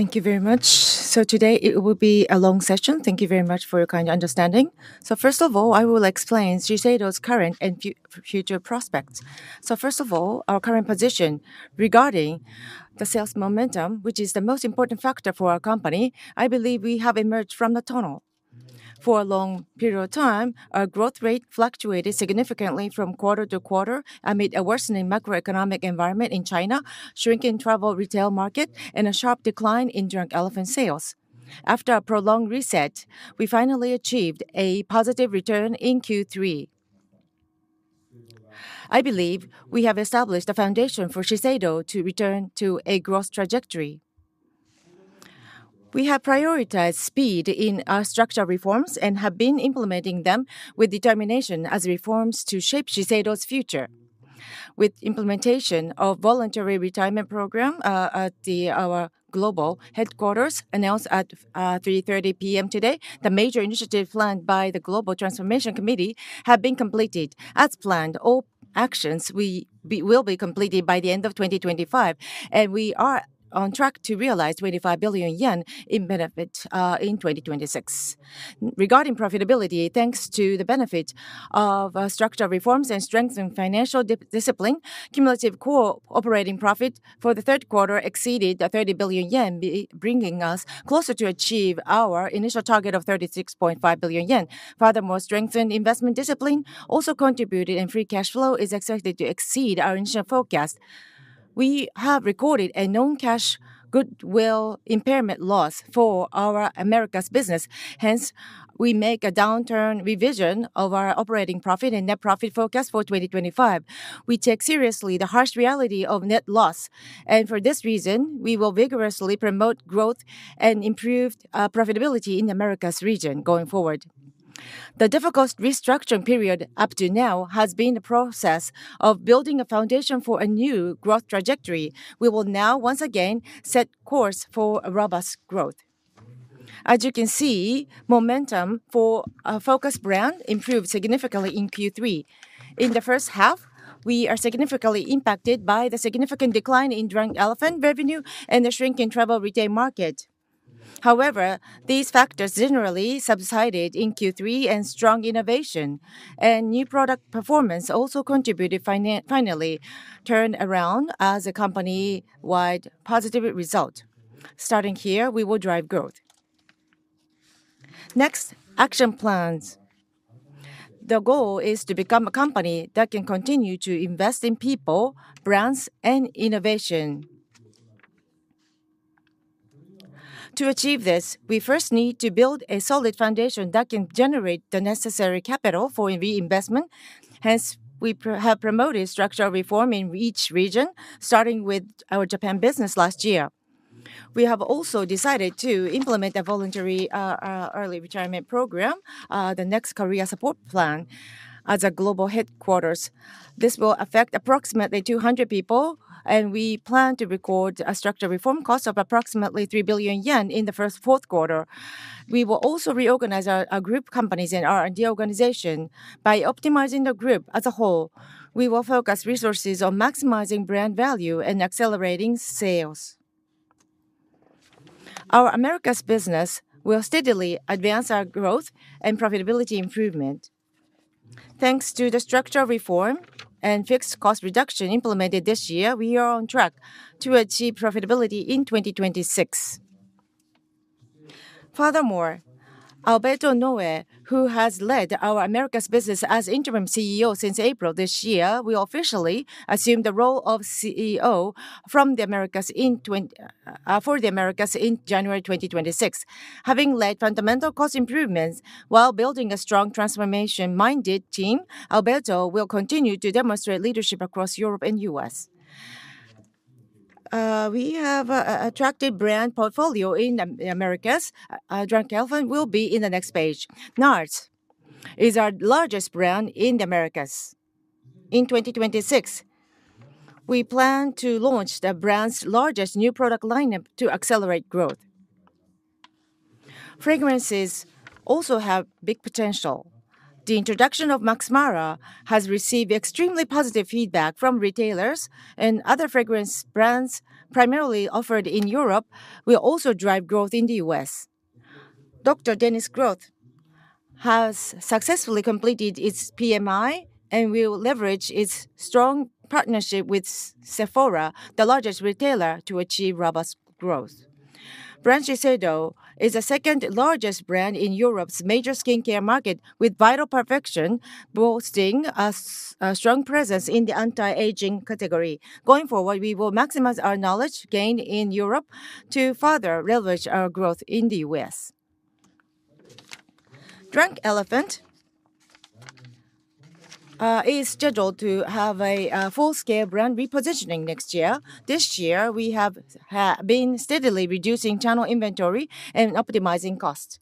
Thank you very much. Today it will be a long session. Thank you very much for your kind understanding. First of all, I will explain Shiseido's current and future prospects. First of all, our current position regarding the sales momentum, which is the most important factor for our company, I believe we have emerged from the tunnel. For a long period of time, our growth rate fluctuated significantly from quarter to quarter amid a worsening macroeconomic environment in China, shrinking travel retail market, and a sharp decline in Drunk Elephant sales. After a prolonged reset, we finally achieved a positive return in Q3. I believe we have established a foundation for Shiseido to return to a growth trajectory. We have prioritized speed in our structural reforms and have been implementing them with determination as reforms to shape Shiseido's future. With the implementation of the voluntary retirement program at our global headquarters announced at 3:30 P.M. today, the major initiatives planned by the Global Transformation Committee have been completed as planned. All actions will be completed by the end of 2025, and we are on track to realize 25 billion yen in benefits in 2026. Regarding profitability, thanks to the benefit of structural reforms and strengthened financial discipline, cumulative core operating profit for the third quarter exceeded the 30 billion yen, bringing us closer to achieve our initial target of 36.5 billion yen. Furthermore, strengthened investment discipline also contributed, and free cash flow is expected to exceed our initial forecast. We have recorded a known cash goodwill impairment loss for our Americas business. Hence, we make a downturn revision of our operating profit and net profit forecast for 2025. We take seriously the harsh reality of net loss, and for this reason, we will vigorously promote growth and improved profitability in the Americas region going forward. The difficult restructuring period up to now has been a process of building a foundation for a new growth trajectory. We will now once again set course for robust growth. As you can see, momentum for a focused brand improved significantly in Q3. In the first half, we are significantly impacted by the significant decline in Drunk Elephant revenue and the shrinking travel retail market. However, these factors generally subsided in Q3, and strong innovation and new product performance also contributed, finally turned around as a company-wide positive result. Starting here, we will drive growth. Next, action plans. The goal is to become a company that can continue to invest in people, brands, and innovation. To achieve this, we first need to build a solid foundation that can generate the necessary capital for reinvestment. Hence, we have promoted structural reform in each region, starting with our Japan business last year. We have also decided to implement a voluntary early retirement program, the next career support plan, at the global headquarters. This will affect approximately 200 people, and we plan to record a structural reform cost of approximately 3 billion yen in the first fourth quarter. We will also reorganize our group companies and our NGO organization by optimizing the group as a whole. We will focus resources on maximizing brand value and accelerating sales. Our Americas business will steadily advance our growth and profitability improvement. Thanks to the structural reform and fixed cost reduction implemented this year, we are on track to achieve profitability in 2026. Furthermore, Alberto Noe, who has led our Americas business as interim CEO since April this year, will officially assume the role of CEO for the Americas in January 2026. Having led fundamental cost improvements while building a strong transformation-minded team, Alberto will continue to demonstrate leadership across Europe and the U.S. We have attracted a brand portfolio in the Americas. Drunk Elephant will be in the next page. NARS is our largest brand in the Americas. In 2026, we plan to launch the brand's largest new product line to accelerate growth. Fragrances also have big potential. The introduction of Max Mara has received extremely positive feedback from retailers and other fragrance brands primarily offered in Europe. We also drive growth in the U.S. Dr. Dennis Gross has successfully completed its PMI and will leverage its strong partnership with Sephora, the largest retailer, to achieve robust growth. Brand Shiseido is the second largest brand in Europe's major skincare market, with Vital Perfection boasting a strong presence in the anti-aging category. Going forward, we will maximize our knowledge gain in Europe to further leverage our growth in the U.S. Drunk Elephant is scheduled to have a full-scale brand repositioning next year. This year, we have been steadily reducing channel inventory and optimizing costs.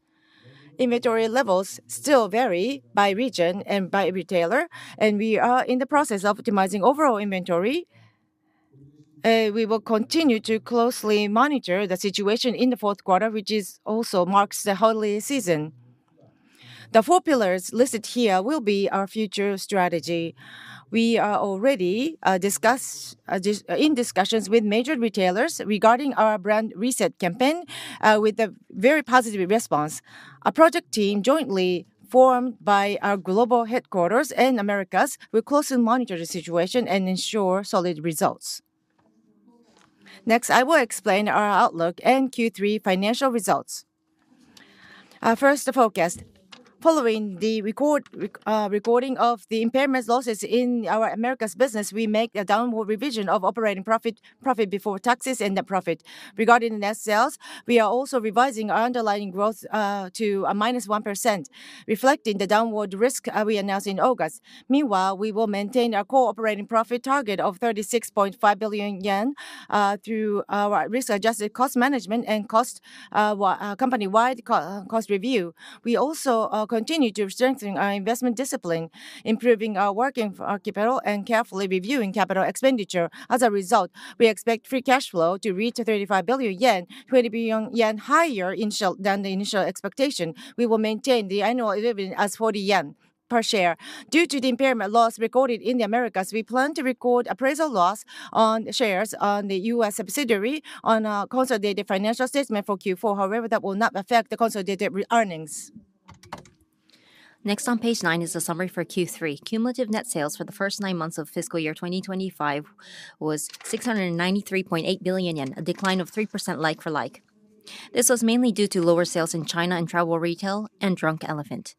Inventory levels still vary by region and by retailer, and we are in the process of optimizing overall inventory. We will continue to closely monitor the situation in the fourth quarter, which also marks the holiday season. The four pillars listed here will be our future strategy. We are already in discussions with major retailers regarding our brand reset campaign with a very positive response. A project team jointly formed by our global headquarters and Americas will closely monitor the situation and ensure solid results. Next, I will explain our outlook and Q3 financial results. First, the focus. Following the recording of the impairment losses in our Americas business, we make a downward revision of operating profit before taxes and net profit. Regarding net sales, we are also revising our underlying growth to a -1%, reflecting the downward risk we announced in August. Meanwhile, we will maintain our core operating profit target of 36.5 billion yen through our risk-adjusted cost management and company-wide cost review. We also continue to strengthen our investment discipline, improving our working capital and carefully reviewing capital expenditure. As a result, we expect free cash flow to reach 35 billion yen, 20 billion yen higher than the initial expectation. We will maintain the Annual dividend as 40 yen per share. Due to the impairment loss recorded in the Americas, we plan to record appraisal loss on shares on the U.S. subsidiary on a consolidated financial statement for Q4. However, that will not affect the consolidated earnings. Next, on page nine is a summary for Q3. Cumulative net sales for the first nine months of fiscal year 2025 was 693.8 billion yen, a decline of 3% like for like. This was mainly due to lower sales in China and travel retail and Drunk Elephant.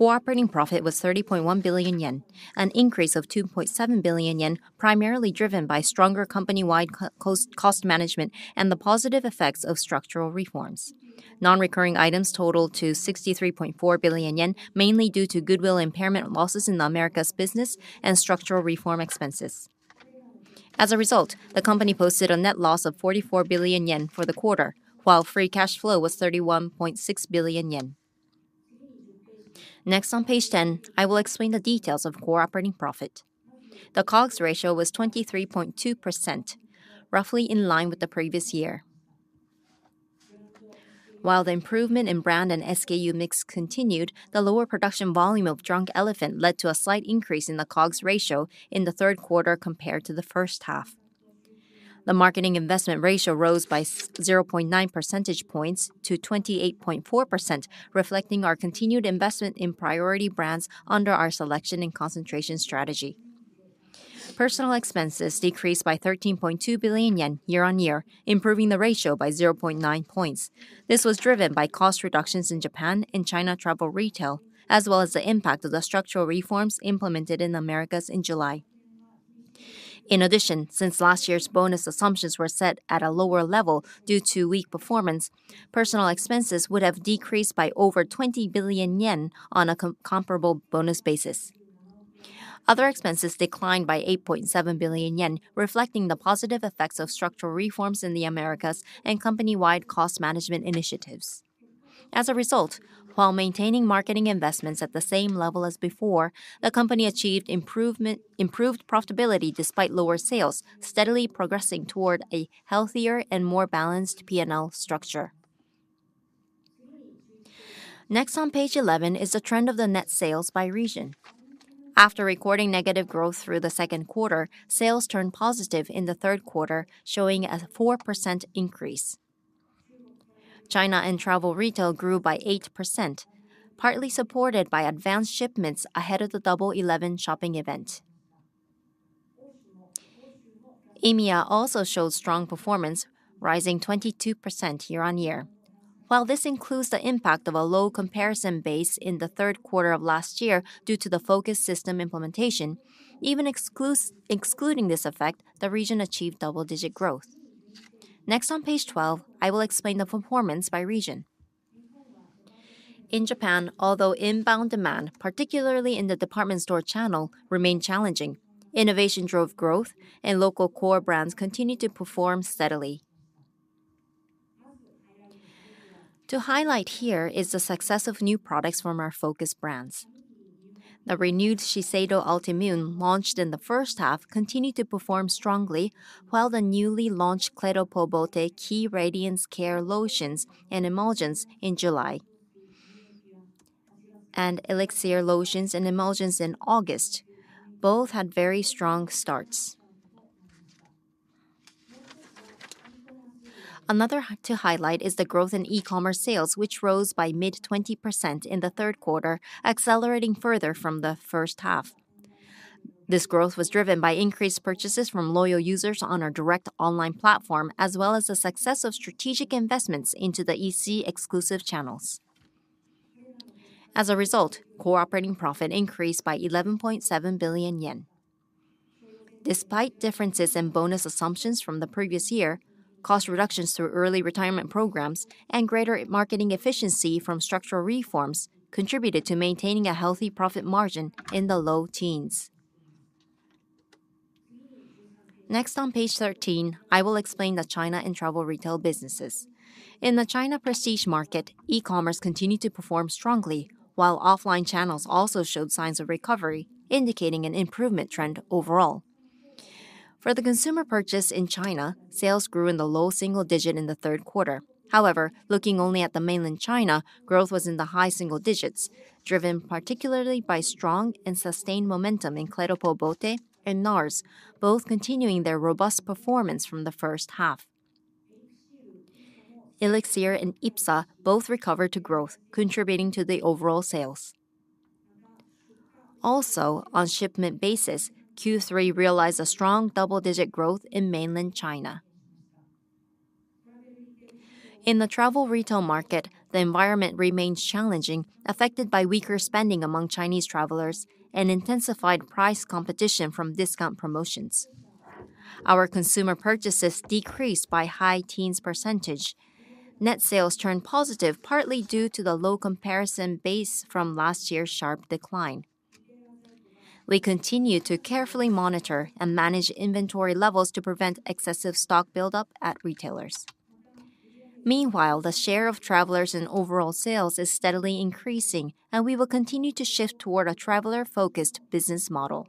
Core operating profit was 30.1 billion yen, an increase of 2.7 billion yen, primarily driven by stronger company-wide cost management and the positive effects of structural reforms. Non-recurring items totaled to 63.4 billion yen, mainly due to goodwill impairment losses in Americas business and structural reform expenses. As a result, the company posted a net loss of 44 billion yen for the quarter, while free cash flow was 31.6 billion yen. Next, on page ten, I will explain the details of core operating profit. The COGS ratio was 23.2%, roughly in line with the previous year. While the improvement in brand and SKU mix continued, the lower production volume of Drunk Elephant led to a slight increase in the COGS ratio in the third quarter compared to the first half. The marketing investment ratio rose by 0.9 percentage points to 28.4%, reflecting our continued investment in priority brands under our selection and concentration strategy. Personnel expenses decreased by 13.2 billion yen year on year, improving the ratio by 0.9 points. This was driven by cost reductions in Japan and China travel retail, as well as the impact of the structural reforms implemented in Americas in July. In addition, since last year's bonus assumptions were set at a lower level due to weak performance, personnel expenses would have decreased by over 20 billion yen on a comparable bonus basis. Other expenses declined by 8.7 billion yen, reflecting the positive effects of structural reforms in the Americas and company-wide cost management initiatives. As a result, while maintaining marketing investments at the same level as before, the company achieved improved profitability despite lower sales, steadily progressing toward a healthier and more balanced P&L structure. Next, on page 11 is a trend of the net sales by region. After recording negative growth through the second quarter, sales turned positive in the third quarter, showing a 4% increase. China and travel retail grew by 8%, partly supported by advanced shipments ahead of the Double 11 shopping event. EMEA also showed strong performance, rising 22% year on year. While this includes the impact of a low comparison base in the third quarter of last year due to the focused system implementation, even excluding this effect, the region achieved double-digit growth. Next, on page 12, I will explain the performance by region. In Japan, although inbound demand, particularly in the department store channel, remained challenging, innovation drove growth, and local core brands continued to perform steadily. To highlight here is the success of new products from our focused brands. The renewed Shiseido Ultimune launched in the first half continued to perform strongly, while the newly launched Clé de Peau Beauté Key Radiance Care lotions and emulsions in July and Elixir lotions and emulsions in August both had very strong starts. Another to highlight is the growth in E-commerce sales, which rose by mid-20% in the third quarter, accelerating further from the first half. This growth was driven by increased purchases from loyal users on our direct online platform, as well as the success of strategic investments into the EC exclusive channels. As a result, core operating profit increased by 11.7 billion yen. Despite differences in bonus assumptions from the previous year, cost reductions through early retirement programs, and greater marketing efficiency from structural reforms contributed to maintaining a healthy profit margin in the low teens. Next, on page 13, I will explain the China and travel retail businesses. In the China prestige market, E-commerce continued to perform strongly, while offline channels also showed signs of recovery, indicating an improvement trend overall. For the consumer purchase in China, Sales grew in the low single digit in the third quarter. However, looking only at mainland China, growth was in the high single digits, driven particularly by strong and sustained momentum in Clé de Peau Beauté and NARS, both continuing their robust performance from the first half. Elixir and IPSA both recovered to growth, contributing to the overall sales. Also, on a shipment basis, Q3 realized a strong double-digit growth in mainland China. In the travel retail market, the environment remains challenging, affected by weaker spending among Chinese travelers and intensified price competition from discount promotions. Our consumer purchases decreased by high teens %. Net sales turned positive, partly due to the low comparison base from last year's sharp decline. We continue to carefully monitor and manage inventory levels to prevent excessive stock buildup at retailers. Meanwhile, the share of travelers in overall sales is steadily increasing, and we will continue to shift toward a traveler-focused business model.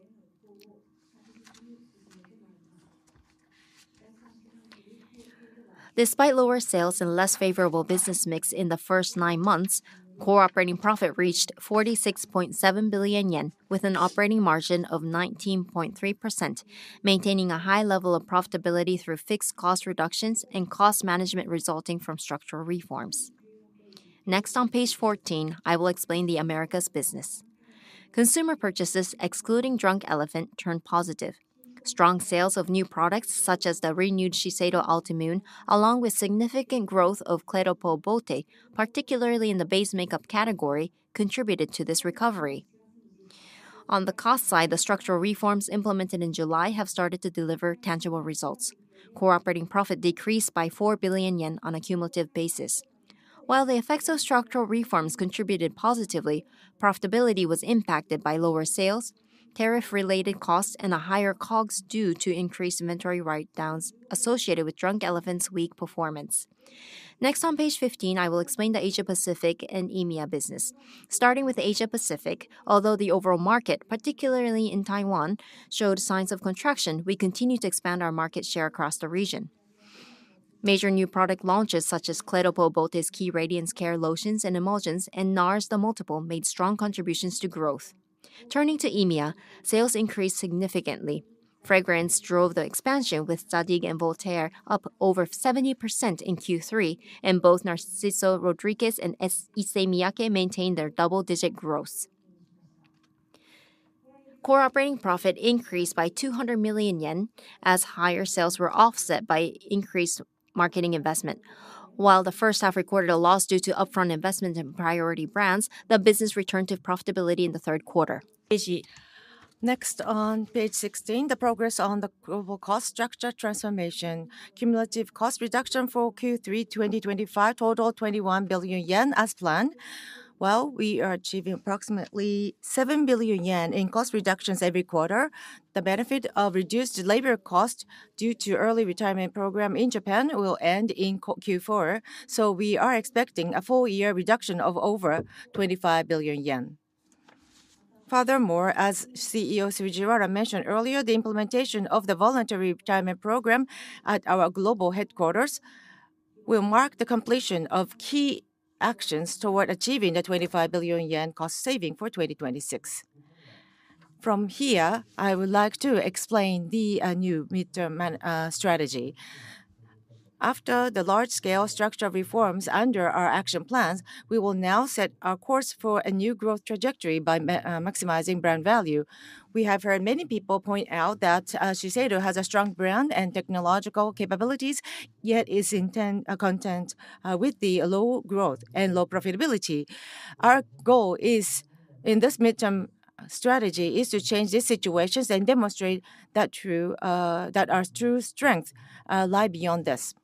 Despite lower sales and less favorable business mix in the first nine months, core operating profit reached 46.7 billion yen, with an operating margin of 19.3%, maintaining a high level of profitability through fixed cost reductions and cost management resulting from structural reforms. Next, on page 14, I will explain the Americas business. Consumer purchases, excluding Drunk Elephant, turned positive. Strong sales of new products, such as the renewed Shiseido Ultimune, along with significant growth of Clé de Peau Beauté, particularly in the base makeup category, contributed to this recovery. On the cost side, the structural reforms implemented in July have started to deliver tangible results. Core Operating Profit decreased by 4 billion yen on a cumulative basis. While the effects of structural reforms contributed positively, profitability was impacted by lower sales, tariff-related costs, and a higher COGS due to increased inventory write-downs associated with Drunk Elephant's weak performance. Next, on page 15, I will explain the Asia-Pacific and EMEA business. Starting with Asia-Pacific, although the overall market, particularly in Taiwan, showed signs of contraction, we continue to expand our market share across the region. Major new product launches, such as Clé de Peau Beauté Key Radiance Care lotions and emulsions, and NARS the Multiple made strong contributions to growth. Turning to EMEA, sales increased significantly. Fragrance drove the expansion, with Zadig & Voltaire up over 70% in Q3, and both Narciso Rodriguez and Issey Miyake maintained their double-digit growth. Core Operating Profit increased by 200 million yen as higher sales were offset by increased marketing investment. While the first half recorded a loss due to upfront investment in priority brands, the business returned to profitability in the third quarter. Next, on page 16, the progress on the global cost structure transformation. Cumulative cost reduction for Q3 2025 totaled 21 billion yen as planned. While we are achieving approximately 7 billion yen in cost reductions every quarter, the benefit of reduced labor costs due to early retirement program in Japan will end in Q4. We are expecting a full-year reduction of over 25 billion yen. Furthermore, as CEO Sugihara mentioned earlier, the implementation of the voluntary retirement program at our global headquarters will mark the completion of key actions toward achieving the 25 billion yen cost saving for 2026. From here, I would like to explain the new midterm strategy. After the large-scale structure reforms under our action plans, we will now set our course for a new growth trajectory by maximizing brand value. We have heard many people point out that Shiseido has a strong brand and technological capabilities, yet is content with the low growth and low profitability. Our goal in this midterm strategy is to change these situations and demonstrate that our true strengths lie beyond this.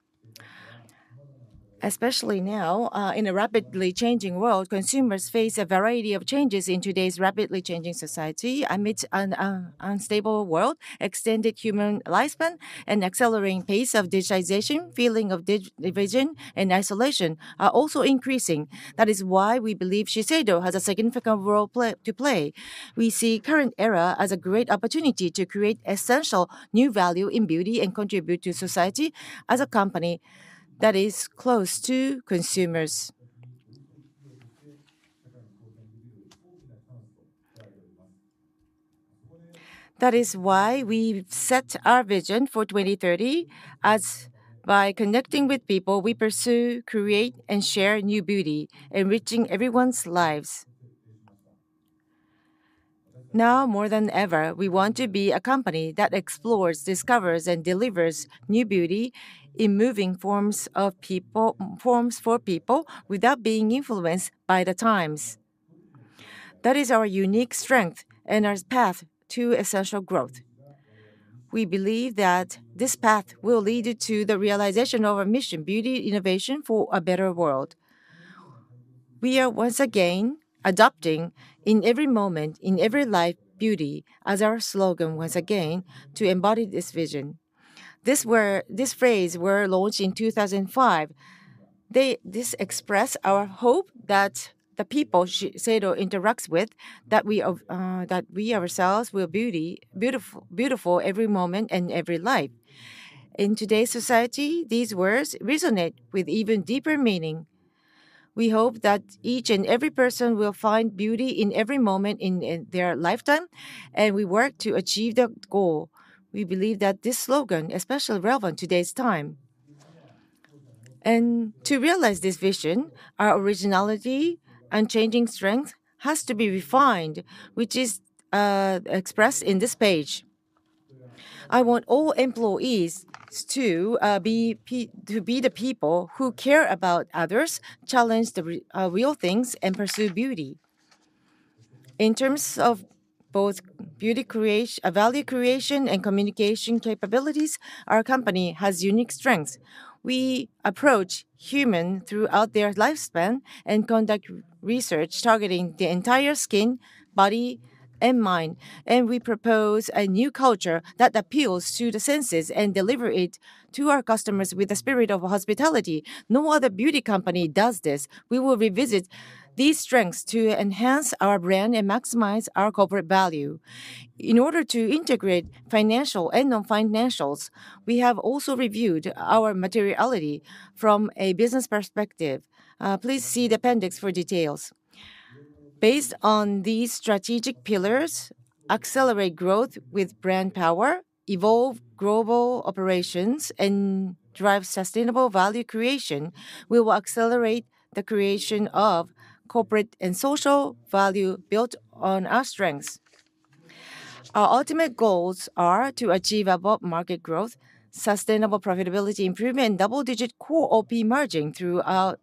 Especially now, in a rapidly changing world, consumers face a variety of changes in today's rapidly changing society. Amid an unstable world, extended human lifespan and accelerating pace of digitization, feelings of division and isolation are also increasing. That is why we believe Shiseido has a significant role to play. We see the current era as a great opportunity to create essential new value in beauty and contribute to society as a company that is close to consumers. That is why we set our vision for 2030 as by connecting with people, we pursue, create, and share new beauty, enriching everyone's lives. Now, more than ever, we want to be a company that explores, discovers, and delivers new beauty in moving forms for people without being influenced by the times. That is our unique strength and our path to essential growth. We believe that this path will lead you to the realization of our mission, beauty innovation for a better world. We are once again adopting in every moment, in every life, beauty as our slogan once again to embody this vision. This phrase was launched in 2005. This expresses our hope that the people Shiseido interacts with, that we ourselves will be beautiful every moment and every life. In today's society, these words resonate with even deeper meaning. We hope that each and every person will find beauty in every moment in their lifetime, and we work to achieve the goal. We believe that this slogan is especially relevant in today's time. To realize this vision, our originality and changing strength has to be refined, which is expressed in this page. I want all employees to be the people who care about others, challenge the real things, and pursue beauty. In terms of both beauty creation, value creation, and communication capabilities, our company has unique strengths. We approach humans throughout their lifespan and conduct research targeting the entire skin, body, and mind. We propose a new culture that appeals to the senses and delivers it to our customers with the spirit of hospitality. No other beauty company does this. We will revisit these strengths to enhance our brand and maximize our corporate value. In order to integrate financial and non-financials, we have also reviewed our materiality from a business perspective. Please see the Appendix for details. Based on these strategic pillars, accelerate growth with brand power, evolve global operations, and drive sustainable value creation, we will accelerate the creation of corporate and social value built on our strengths. Our ultimate goals are to achieve above-market growth, sustainable profitability improvement, and double-digit core OP margin through our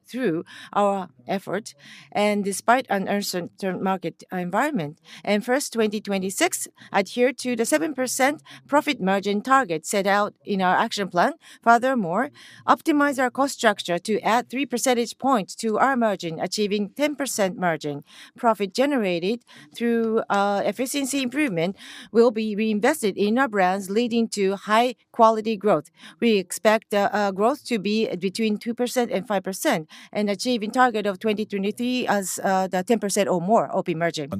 effort. Despite an uncertain market environment, in first 2026, adhere to the 7% profit margin target set out in our action plan. Furthermore, optimize our cost structure to add 3 percentage points to our margin, achieving 10% margin. Profit generated through efficiency improvement will be reinvested in our brands, leading to high-quality growth. We expect growth to be between 2% and 5% and achieve a target of 2023 as the 10% or more OP margin.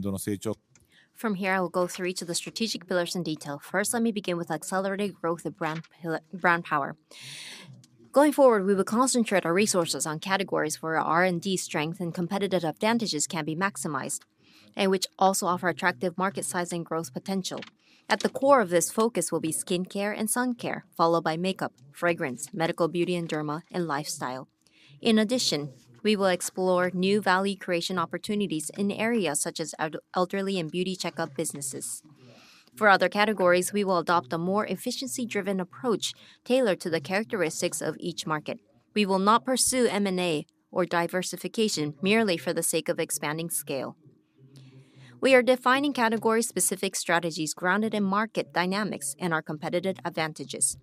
From here, I will go through each of the strategic pillars in detail. First, let me begin with accelerated growth of brand power. Going forward, we will concentrate our resources on categories where our R&D strength and competitive advantages can be maximized, and which also offer attractive market size and growth potential. At the core of this focus will be skincare and sun care, followed by makeup, fragrance, medical beauty, and derma, and lifestyle. In addition, we will explore new value creation opportunities in areas such as elderly and beauty checkup businesses. For other categories, we will adopt a more efficiency-driven approach tailored to the characteristics of each market. We will not pursue M&A or diversification merely for the sake of expanding scale. We are defining category-specific strategies grounded in market dynamics and our competitive advantages.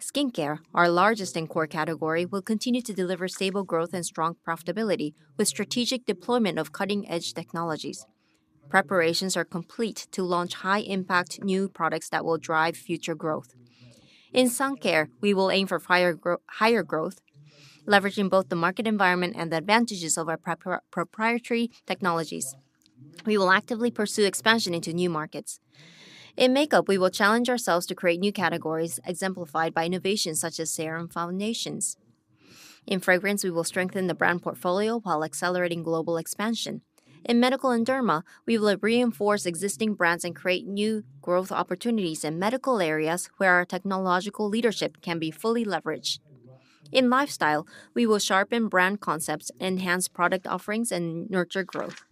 Skincare, our largest and core category, will continue to deliver stable growth and strong profitability with strategic deployment of cutting-edge technologies. Preparations are complete to launch high-impact new products that will drive future growth. In sun care, we will aim for higher growth, leveraging both the market environment and the advantages of our proprietary technologies. We will actively pursue expansion into new markets. In makeup, we will challenge ourselves to create new categories, exemplified by innovations such as serum foundations. In fragrance, we will strengthen the brand portfolio while accelerating global expansion. In medical and derma, we will reinforce existing brands and create new growth opportunities in medical areas where our technological leadership can be fully leveraged. In lifestyle, we will sharpen brand concepts, enhance product offerings, and nurture growth.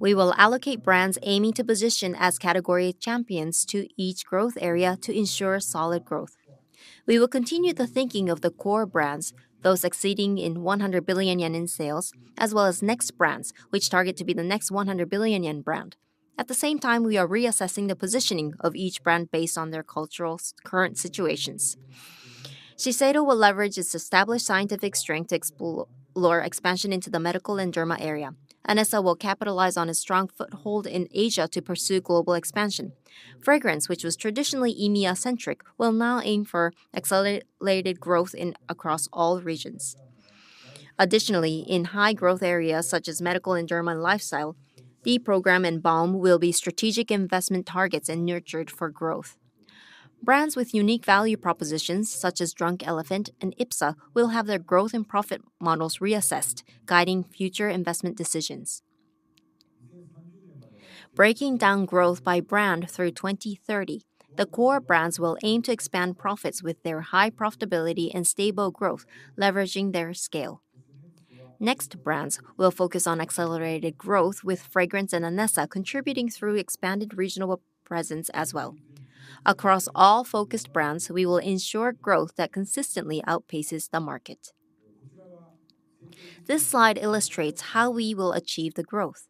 We will allocate brands aiming to position as category champions to each growth area to ensure solid growth. We will continue the thinking of the core brands, those exceeding 100 billion yen in sales, as well as next brands, which target to be the next 100 billion yen brand. At the same time, we are reassessing the positioning of each brand based on their cultural current situations. Shiseido will leverage its established scientific strength to explore expansion into the medical and derma area. NSL will capitalize on its strong foothold in Asia to pursue global expansion. Fragrance, which was traditionally EMEA-centric, will now aim for accelerated growth across all regions. Additionally, in high-growth areas such as medical and derma and lifestyle, the program and BAUM will be strategic investment targets and nurtured for growth. Brands with unique value propositions, such as Drunk Elephant and IPSA, will have their growth and profit models reassessed, guiding future investment decisions. Breaking down growth by brand through 2030, the core brands will aim to expand profits with their high profitability and stable growth, leveraging their scale. Next brands will focus on accelerated growth, with fragrance and NSL contributing through expanded regional presence as well. Across all focused brands, we will ensure growth that consistently outpaces the market. This slide illustrates how we will achieve the growth.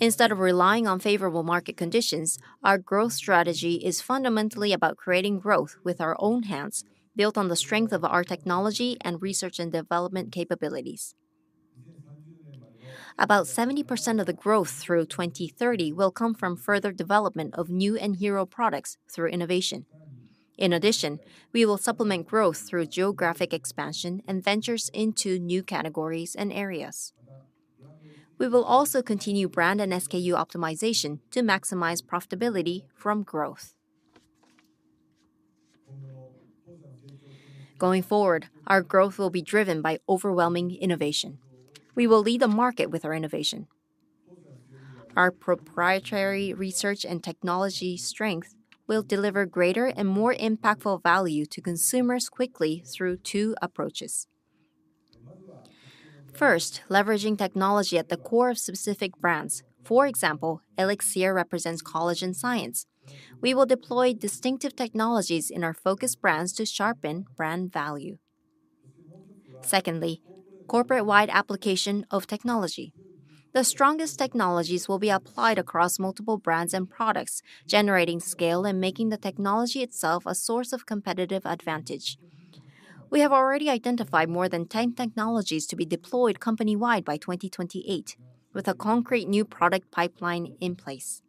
Instead of relying on favorable market conditions, our growth strategy is fundamentally about creating growth with our own hands, built on the strength of our technology and research and development capabilities. About 70% of the growth through 2030 will come from further development of new in-hero products through innovation. In addition, we will supplement growth through geographic expansion and ventures into new categories and areas. We will also continue brand and SKU optimization to maximize profitability from growth. Going forward, our growth will be driven by overwhelming innovation. We will lead the market with our innovation. Our proprietary research and technology strength will deliver greater and more impactful value to consumers quickly through two approaches. First, leveraging technology at the core of specific brands. For example, Elixir represents collagen science. We will deploy distinctive technologies in our focus brands to sharpen brand value. Secondly, corporate-wide application of technology. The strongest technologies will be applied across multiple brands and products, generating scale and making the technology itself a source of competitive advantage. We have already identified more than 10 technologies to be deployed company-wide by 2028, with a concrete new product pipeline in place.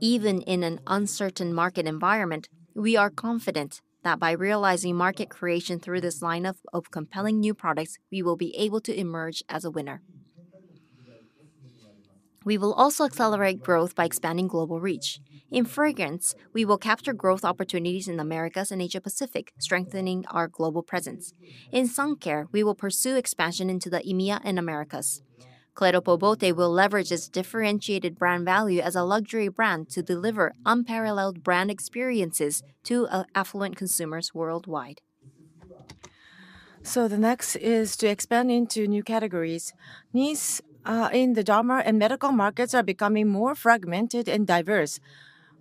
Even in an uncertain market environment, we are confident that by realizing market creation through this lineup of compelling new products, we will be able to emerge as a winner. We will also accelerate growth by expanding global reach. In fragrance, we will capture growth opportunities in the Americas and Asia-Pacific, strengthening our global presence. In sun care, we will pursue expansion into the EMEA and Americas. Kentaro Fujiwara will leverage its differentiated brand value as a luxury brand to deliver unparalleled brand experiences to affluent consumers worldwide. The next is to expand into new categories. Niche in the derma and medical markets are becoming more fragmented and diverse.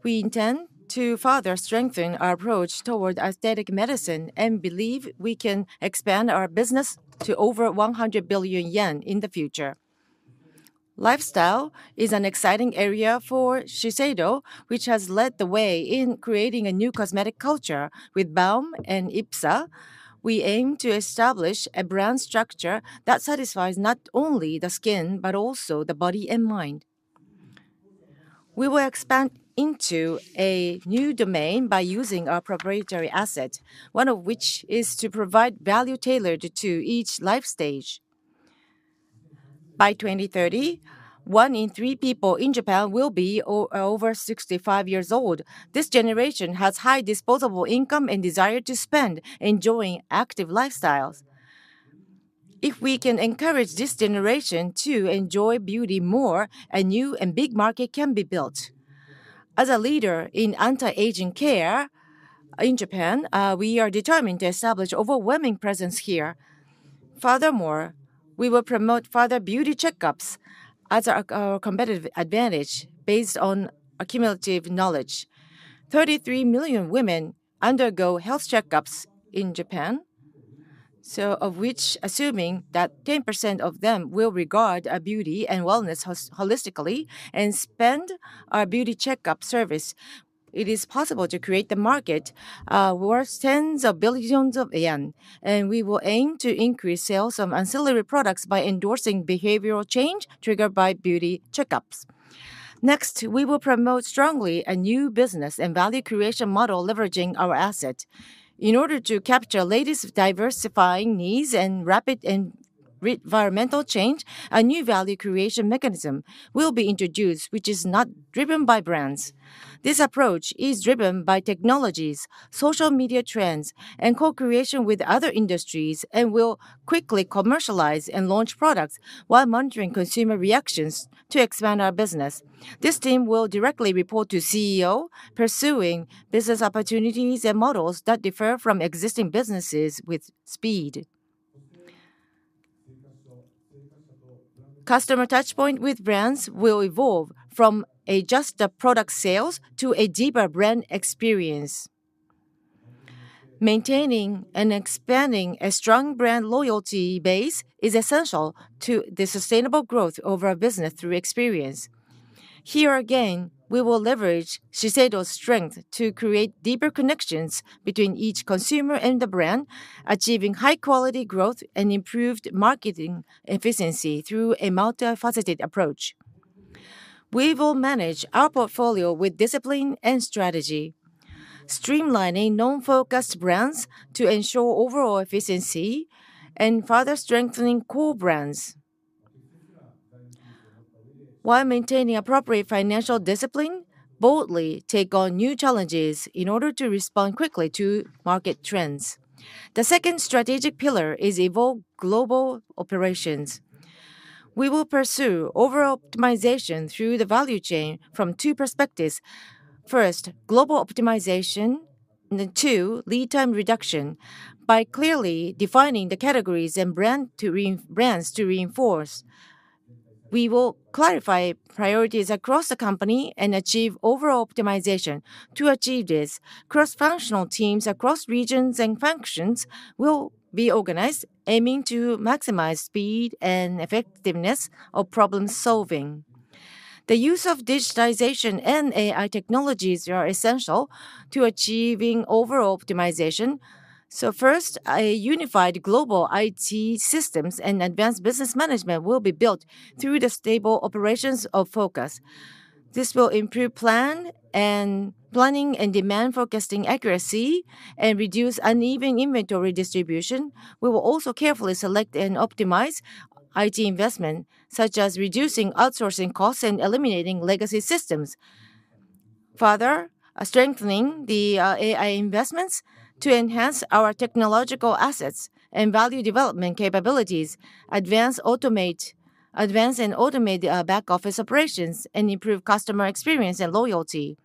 We intend to further strengthen our approach toward aesthetic medicine and believe we can expand our business to over 100 billion yen in the future. Lifestyle is an exciting area for Shiseido, which has led the way in creating a new cosmetic culture with BAUM and IPSA. We aim to establish a brand structure that satisfies not only the skin but also the body and mind. We will expand into a new domain by using our proprietary asset, one of which is to provide value tailored to each life stage. By 2030, one in three people in Japan will be over 65 years old. This generation has high disposable income and desire to spend, enjoying active lifestyles. If we can encourage this generation to enjoy beauty more, a new and big market can be built. As a leader in anti-aging care in Japan, we are determined to establish an overwhelming presence here. Furthermore, we will promote further beauty checkups as our competitive advantage based on accumulative knowledge. Thirty-three million women undergo health checkups in Japan, of which, assuming that 10% of them will regard beauty and wellness holistically and spend on our beauty checkup service, it is possible to create a market worth tens of billions of JPY. We will aim to increase sales of ancillary products by endorsing behavioral change triggered by beauty checkups. Next, we will promote strongly a new business and value creation model leveraging our asset. In order to capture latest diversifying needs and rapid environmental change, a new value creation mechanism will be introduced, which is not driven by brands. This approach is driven by technologies, social media trends, and co-creation with other industries, and will quickly commercialize and launch products while monitoring consumer reactions to expand our business. This team will directly report to CEO, pursuing business opportunities and models that differ from existing businesses with speed. Customer touchpoint with brands will evolve from just the product sales to a deeper brand experience. Maintaining and expanding a strong brand loyalty base is essential to the sustainable growth of our business through experience. Here again, we will leverage Shiseido's strength to create deeper connections between each consumer and the brand, achieving high-quality growth and improved marketing efficiency through a multifaceted approach. We will manage our portfolio with discipline and strategy, streamlining non-focused brands to ensure overall efficiency and further strengthening core brands. While maintaining appropriate financial discipline, boldly take on new challenges in order to respond quickly to market trends. The second strategic pillar is global operations. We will pursue overall optimization through the value chain from two perspectives. First, global optimization, and two, lead time reduction, by clearly defining the categories and brands to reinforce. We will clarify priorities across the company and achieve overall optimization. To achieve this, cross-functional teams across regions and functions will be organized, aiming to maximize speed and effectiveness of problem-solving. The use of digitization and AI technologies is essential to achieving overall optimization. First, a unified global IT systems and advanced business management will be built through the stable operations of focus. This will improve planning and demand forecasting accuracy and reduce uneven inventory distribution. We will also carefully select and optimize IT investment, such as reducing outsourcing costs and eliminating legacy systems. Further, strengthening the AI investments to enhance our technological assets and value development capabilities, advance and Automate back office operations, and improve customer experience and loyalty.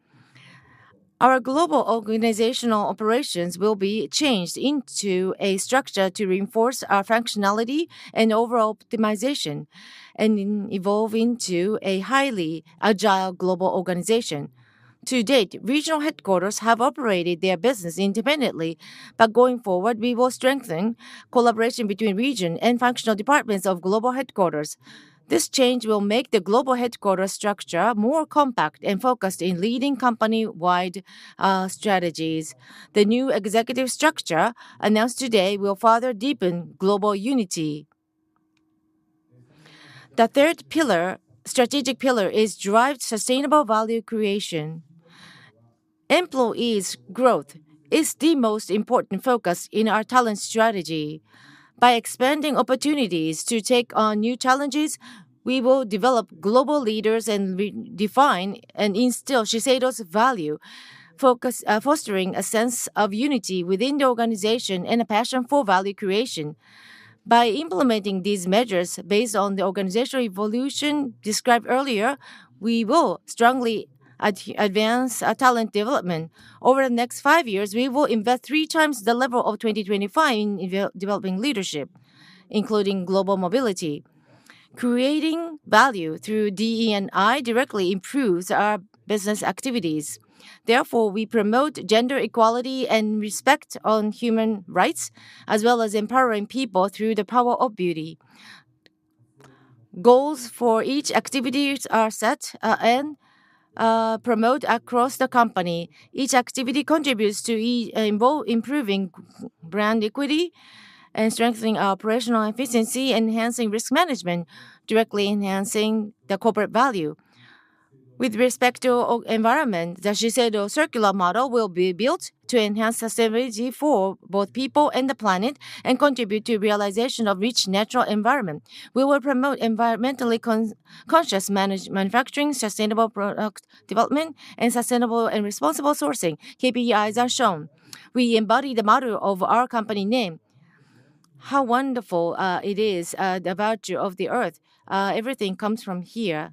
Our global organizational operations will be changed into a structure to reinforce our functionality and overall optimization, and evolve into a highly agile global organization. To date, regional headquarters have operated their business independently, but going forward, we will strengthen collaboration between region and functional departments of global headquarters. This change will make the global headquarters structure more compact and focused in leading company-wide strategies. The new executive structure announced today will further deepen global unity. The third strategic pillar is drive sustainable value creation. Employees' growth is the most important focus in our talent strategy. By expanding opportunities to take on new challenges, we will develop global leaders and refine and instill Shiseido's value, fostering a sense of unity within the organization and a passion for value creation. By implementing these measures based on the organizational evolution described earlier, we will strongly advance talent development. Over the next five years, we will invest three times the level of 2025 in developing leadership, including global mobility. Creating value through DE&I directly improves our business activities. Therefore, we promote gender equality and respect on human rights, as well as empowering people through the power of beauty. Goals for each activity are set and promoted across the company. Each activity contributes to improving brand Equity and strengthening our operational efficiency, enhancing risk management, directly enhancing the corporate value. With respect to the environment, the Shiseido circular model will be built to enhance sustainability for both people and the planet and contribute to the realization of a rich natural environment. We will promote environmentally conscious manufacturing, sustainable product development, and sustainable and responsible sourcing. KPIs are shown. We embody the motto of our company name. How wonderful it is, the virtue of the earth. Everything comes from here.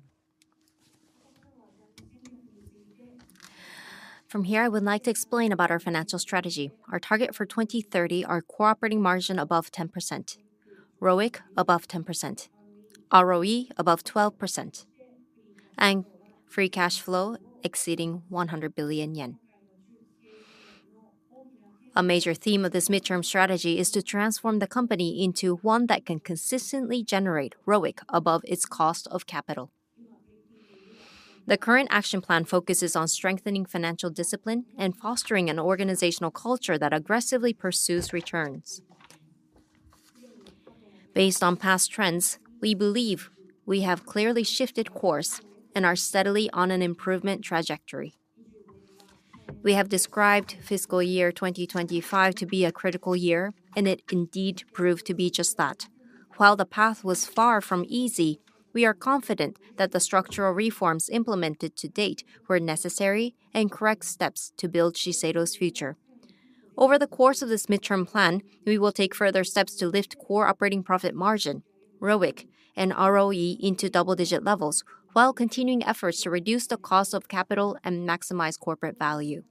From here, I would like to explain about our financial strategy. Our target for 2030 is a core operating margin above 10%, ROIC above 10%, ROE above 12%, and free cash flow exceeding 100 billion yen. A major theme of this midterm strategy is to transform the company into one that can consistently generate ROIC above its cost of capital. The current action plan focuses on strengthening financial discipline and fostering an organizational culture that aggressively pursues returns. Based on past trends, we believe we have clearly shifted course and are steadily on an improvement trajectory. We have described fiscal year 2025 to be a critical year, and it indeed proved to be just that. While the path was far from easy, we are confident that the structural reforms implemented to date were necessary and correct steps to build Shiseido's future. Over the course of this midterm plan, we will take further steps to lift core operating profit margin, ROIC, and ROE into double-digit levels, while continuing efforts to reduce the cost of capital and maximize corporate value.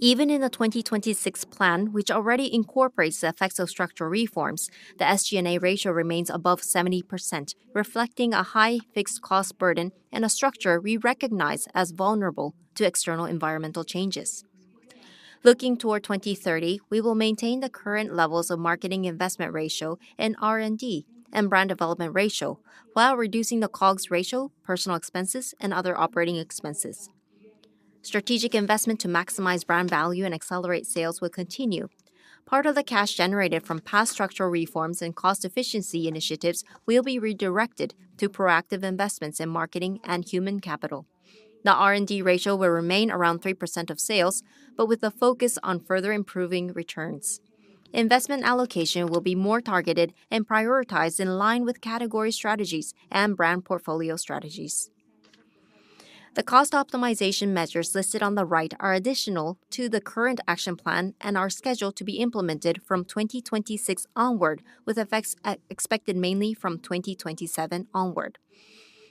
Even in the 2026 plan, which already incorporates the effects of structural reforms, the SG&A ratio remains above 70%, reflecting a high fixed cost burden and a structure we recognize as vulnerable to external environmental changes. Looking toward 2030, we will maintain the current levels of marketing investment ratio and R&D and brand development ratio, while reducing the COGS ratio, personnel expenses, and other operating expenses. Strategic investment to maximize brand value and accelerate sales will continue. Part of the cash generated from past structural reforms and cost efficiency initiatives will be redirected to proactive investments in marketing and human capital. The R&D ratio will remain around 3% of sales, but with a focus on further improving returns. Investment allocation will be more targeted and prioritized in line with category strategies and brand portfolio strategies. The cost optimization measures listed on the right are additional to the current action plan and are scheduled to be implemented from 2026 onward, with effects expected mainly from 2027 onward.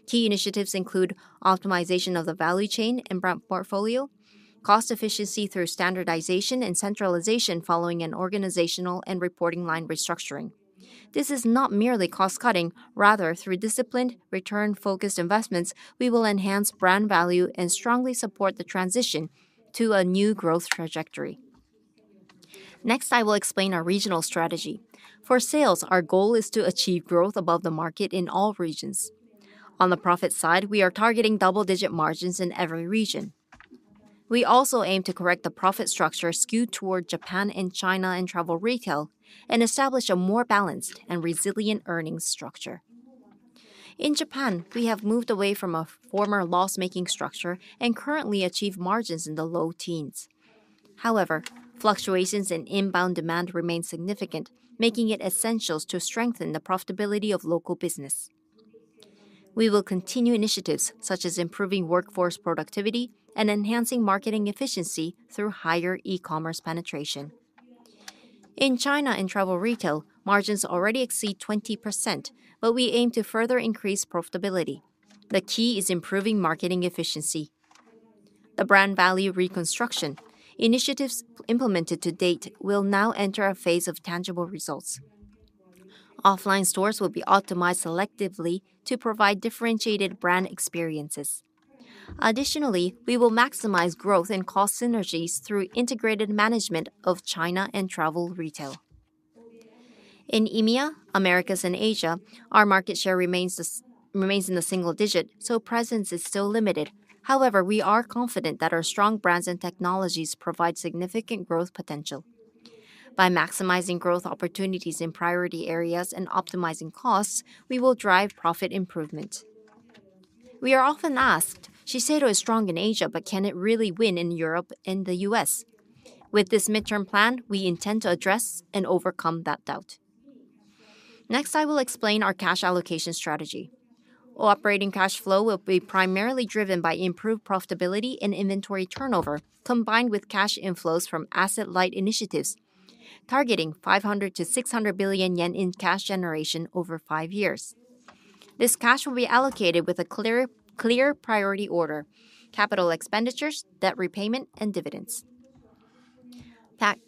Key initiatives include optimization of the value chain and brand portfolio, cost efficiency through Standardization and Centralization following an organizational and reporting line restructuring. This is not merely cost-cutting; rather, through disciplined, return-focused investments, we will enhance brand value and strongly support the transition to a new growth trajectory. Next, I will explain our regional strategy. For sales, our goal is to achieve growth above the market in all regions. On the profit side, we are targeting double-digit margins in every region. We also aim to correct the profit structure skewed toward Japan and China in travel retail and establish a more balanced and resilient earnings structure. In Japan, we have moved away from a former loss-making structure and currently achieve margins in the low teens. However, fluctuations in inbound demand remain significant, making it essential to strengthen the profitability of local business. We will continue initiatives such as improving workforce productivity and enhancing marketing efficiency through higher E-commerce penetration. In China and travel retail, margins already exceed 20%, but we aim to further increase profitability. The key is improving marketing efficiency. The brand value reconstruction initiatives implemented to date will now enter a phase of tangible results. Offline stores will be optimized selectively to provide differentiated brand experiences. Additionally, we will maximize growth and cost synergies through integrated management of China and travel retail. In EMEA, Americas, and Asia, our market share remains in the single digit, so presence is still limited. However, we are confident that our strong brands and technologies provide significant growth potential. By maximizing growth opportunities in priority areas and optimizing costs, we will drive profit improvement. We are often asked, "Shiseido is strong in Asia, but can it really win in Europe and the U.S.?" With this midterm plan, we intend to address and overcome that doubt. Next, I will explain our cash allocation strategy. Operating cash flow will be primarily driven by improved profitability and inventory turnover, combined with cash inflows from asset-light initiatives, targeting 500 billion-600 billion yen in cash generation over five years. This cash will be allocated with a clear priority order: capital expenditures, debt repayment, and dividends.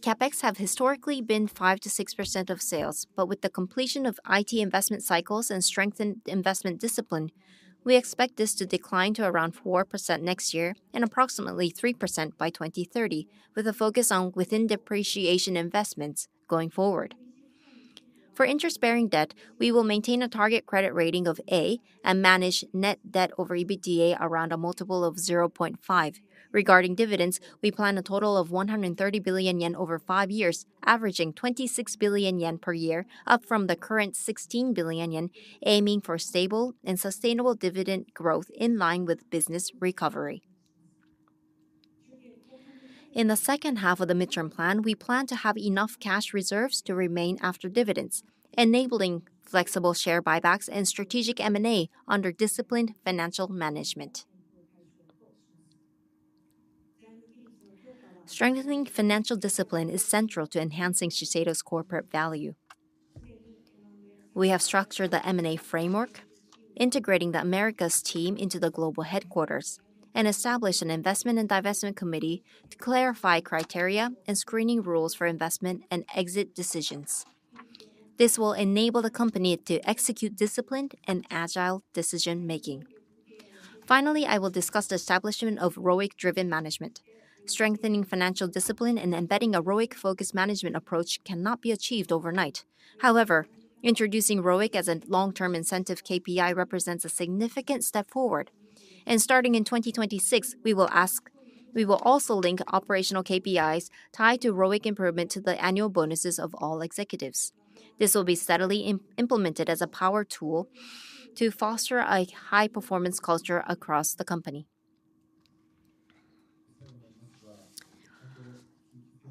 CapEx have historically been 5%-6% of sales, but with the completion of IT investment cycles and strengthened investment discipline, we expect this to decline to around 4% next year and approximately 3% by 2030, with a focus on within-depreciation investments going forward. For interest-bearing debt, we will maintain a target credit rating of A and manage net debt over EBITDA around a multiple of 0.5. Regarding dividends, we plan a total of 130 billion yen over five years, averaging 26 billion yen per year, up from the current 16 billion yen, aiming for stable and sustainable dividend growth in line with business recovery. In the second half of the midterm plan, we plan to have enough cash reserves to remain after dividends, enabling flexible share buybacks and strategic M&A under disciplined financial management. Strengthening financial discipline is central to enhancing Shiseido's corporate value. We have structured the M&A framework, integrating the Americas team into the global headquarters, and established an investment and divestment committee to clarify criteria and screening rules for investment and exit decisions. This will enable the company to execute disciplined and agile decision-making. Finally, I will discuss the establishment of ROIC-driven management. Strengthening financial discipline and embedding a ROIC-focused management approach cannot be achieved overnight. However, introducing ROIC as a long-term incentive KPI represents a significant step forward. Starting in 2026, we will also link operational KPIs tied to ROIC improvement to the annual bonuses of all executives. This will be steadily implemented as a power tool to foster a high-performance culture across the company.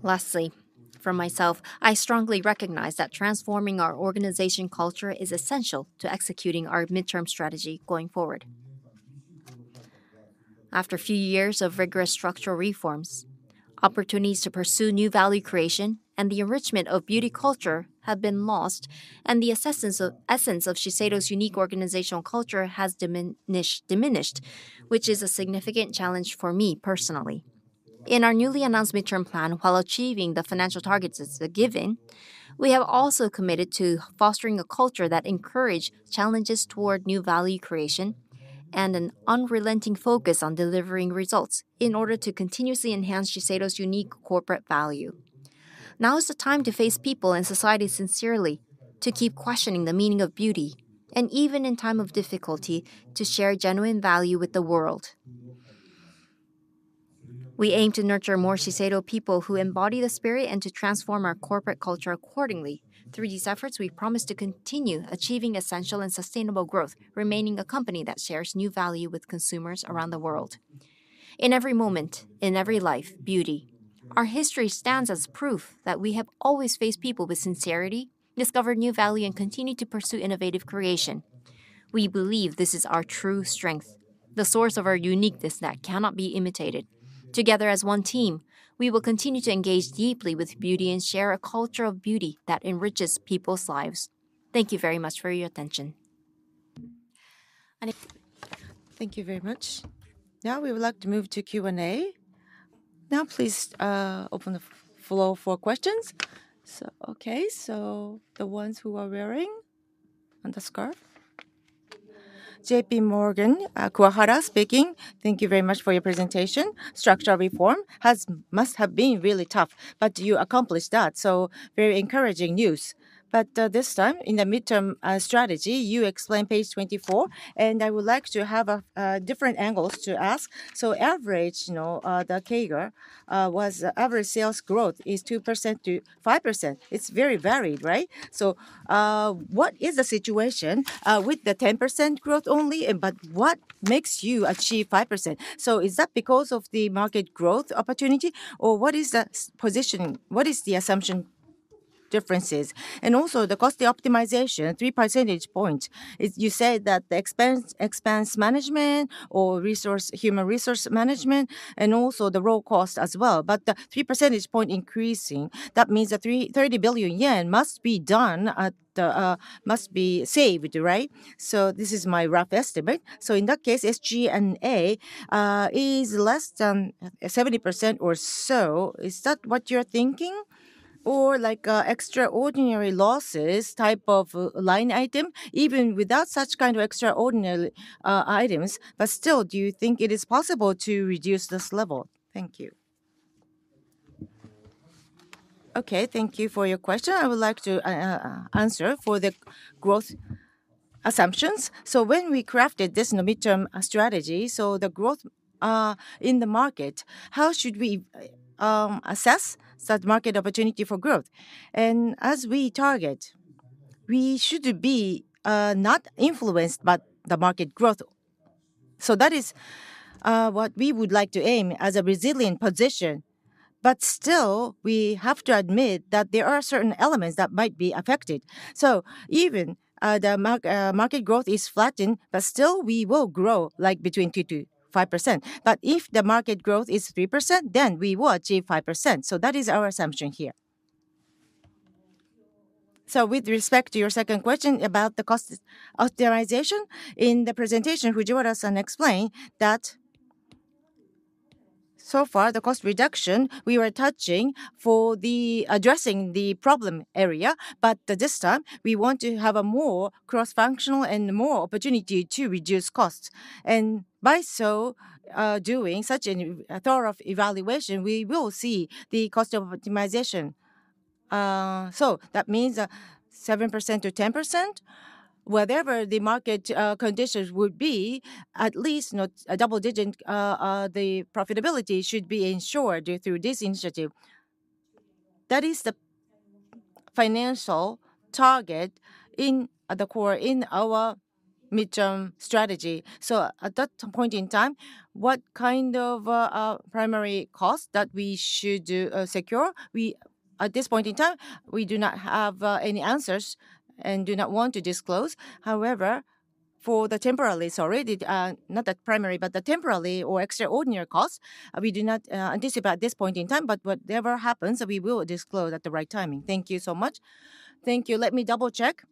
Lastly, for myself, I strongly recognize that transforming our organization culture is essential to executing our midterm strategy going forward. After a few years of rigorous structural reforms, opportunities to pursue new value creation and the enrichment of beauty culture have been lost, and the Essence of Shiseido's unique organizational culture has diminished, which is a significant challenge for me personally. In our newly announced midterm plan, while achieving the financial targets is a given, we have also committed to fostering a culture that encourages challenges toward new value creation and an unrelenting focus on delivering results in order to continuously enhance Shiseido's unique corporate value. Now is the time to face people and society sincerely, to keep questioning the meaning of beauty, and even in times of difficulty, to share genuine value with the world. We aim to nurture more Shiseido people who embody the spirit and to transform our corporate culture accordingly. Through these efforts, we promise to continue achieving essential and sustainable growth, remaining a company that shares new value with consumers around the world. In every moment, in every life, beauty. Our history stands as proof that we have always faced people with sincerity, discovered new value, and continued to pursue innovative creation. We believe this is our true strength, the source of our uniqueness that cannot be imitated. Together as one team, we will continue to engage deeply with beauty and share a culture of beauty that enriches people's lives. Thank you very much for your attention. Thank you very much. Now we would like to move to Q&A. Now please open the floor for questions. Okay. The Ones who are wearing the scarf. JPMorgan, Kohara speaking. Thank you very much for your presentation. Structural reform must have been really tough, but you accomplished that. Very encouraging news. This time in the Midterm strategy, you explained page 24, and I would like to have different angles to ask. Average, you know, the Kagura was average sales growth is 2%-5%. It's very varied, right? What is the situation with the 10% growth only, but what makes you achieve 5%? Is that because of the market growth opportunity or what is the positioning? What is the assumption differences? Also, the cost optimization, 3 percentage points. You said that the expense management or human resource management and also the raw cost as well. The 3 percentage point increasing, that means that 30 billion yen must be done, must be saved, right? This is my rough estimate. In that case, SG&A is less than 70% or so. Is that what you're thinking? Or like extraordinary losses type of line item, even without such kind of extraordinary items, but still, do you think it is possible to reduce this level? Thank you. Okay, thank you for your question. I would like to answer for the growth assumptions. When we crafted this midterm strategy, the growth in the market, how should we assess that market opportunity for growth? As we target, we should be not influenced by the market growth. That is what we would like to aim as a resilient position. Still, we have to admit that there are certain elements that might be affected. Even if the market growth is flattened, we will grow like between 2%-5%. If the market growth is 3%, then we will achieve 5%. That is our Assumption here. With respect to your second question about the cost authorization, in the presentation, Fujiwara-san explained that so far the cost reduction we were touching for addressing the problem area, but this time we want to have a more cross-functional and more opportunity to reduce costs. By doing such a thorough evaluation, we will see the cost of optimization. That means 7%-10%, whatever the market conditions would be, at least not a double-digit, the profitability should be ensured through this initiative. That is the financial target in the core in our midterm strategy. At that point in time, what kind of primary cost should we secure? At this point in time, we do not have any answers and do not want to disclose. However, for the temporary, sorry, not the primary, but the temporary or extraordinary costs, we do not anticipate at this point in time, but whatever happens, we will disclose at the right timing. Thank you so much. Thank you. Let me double-check.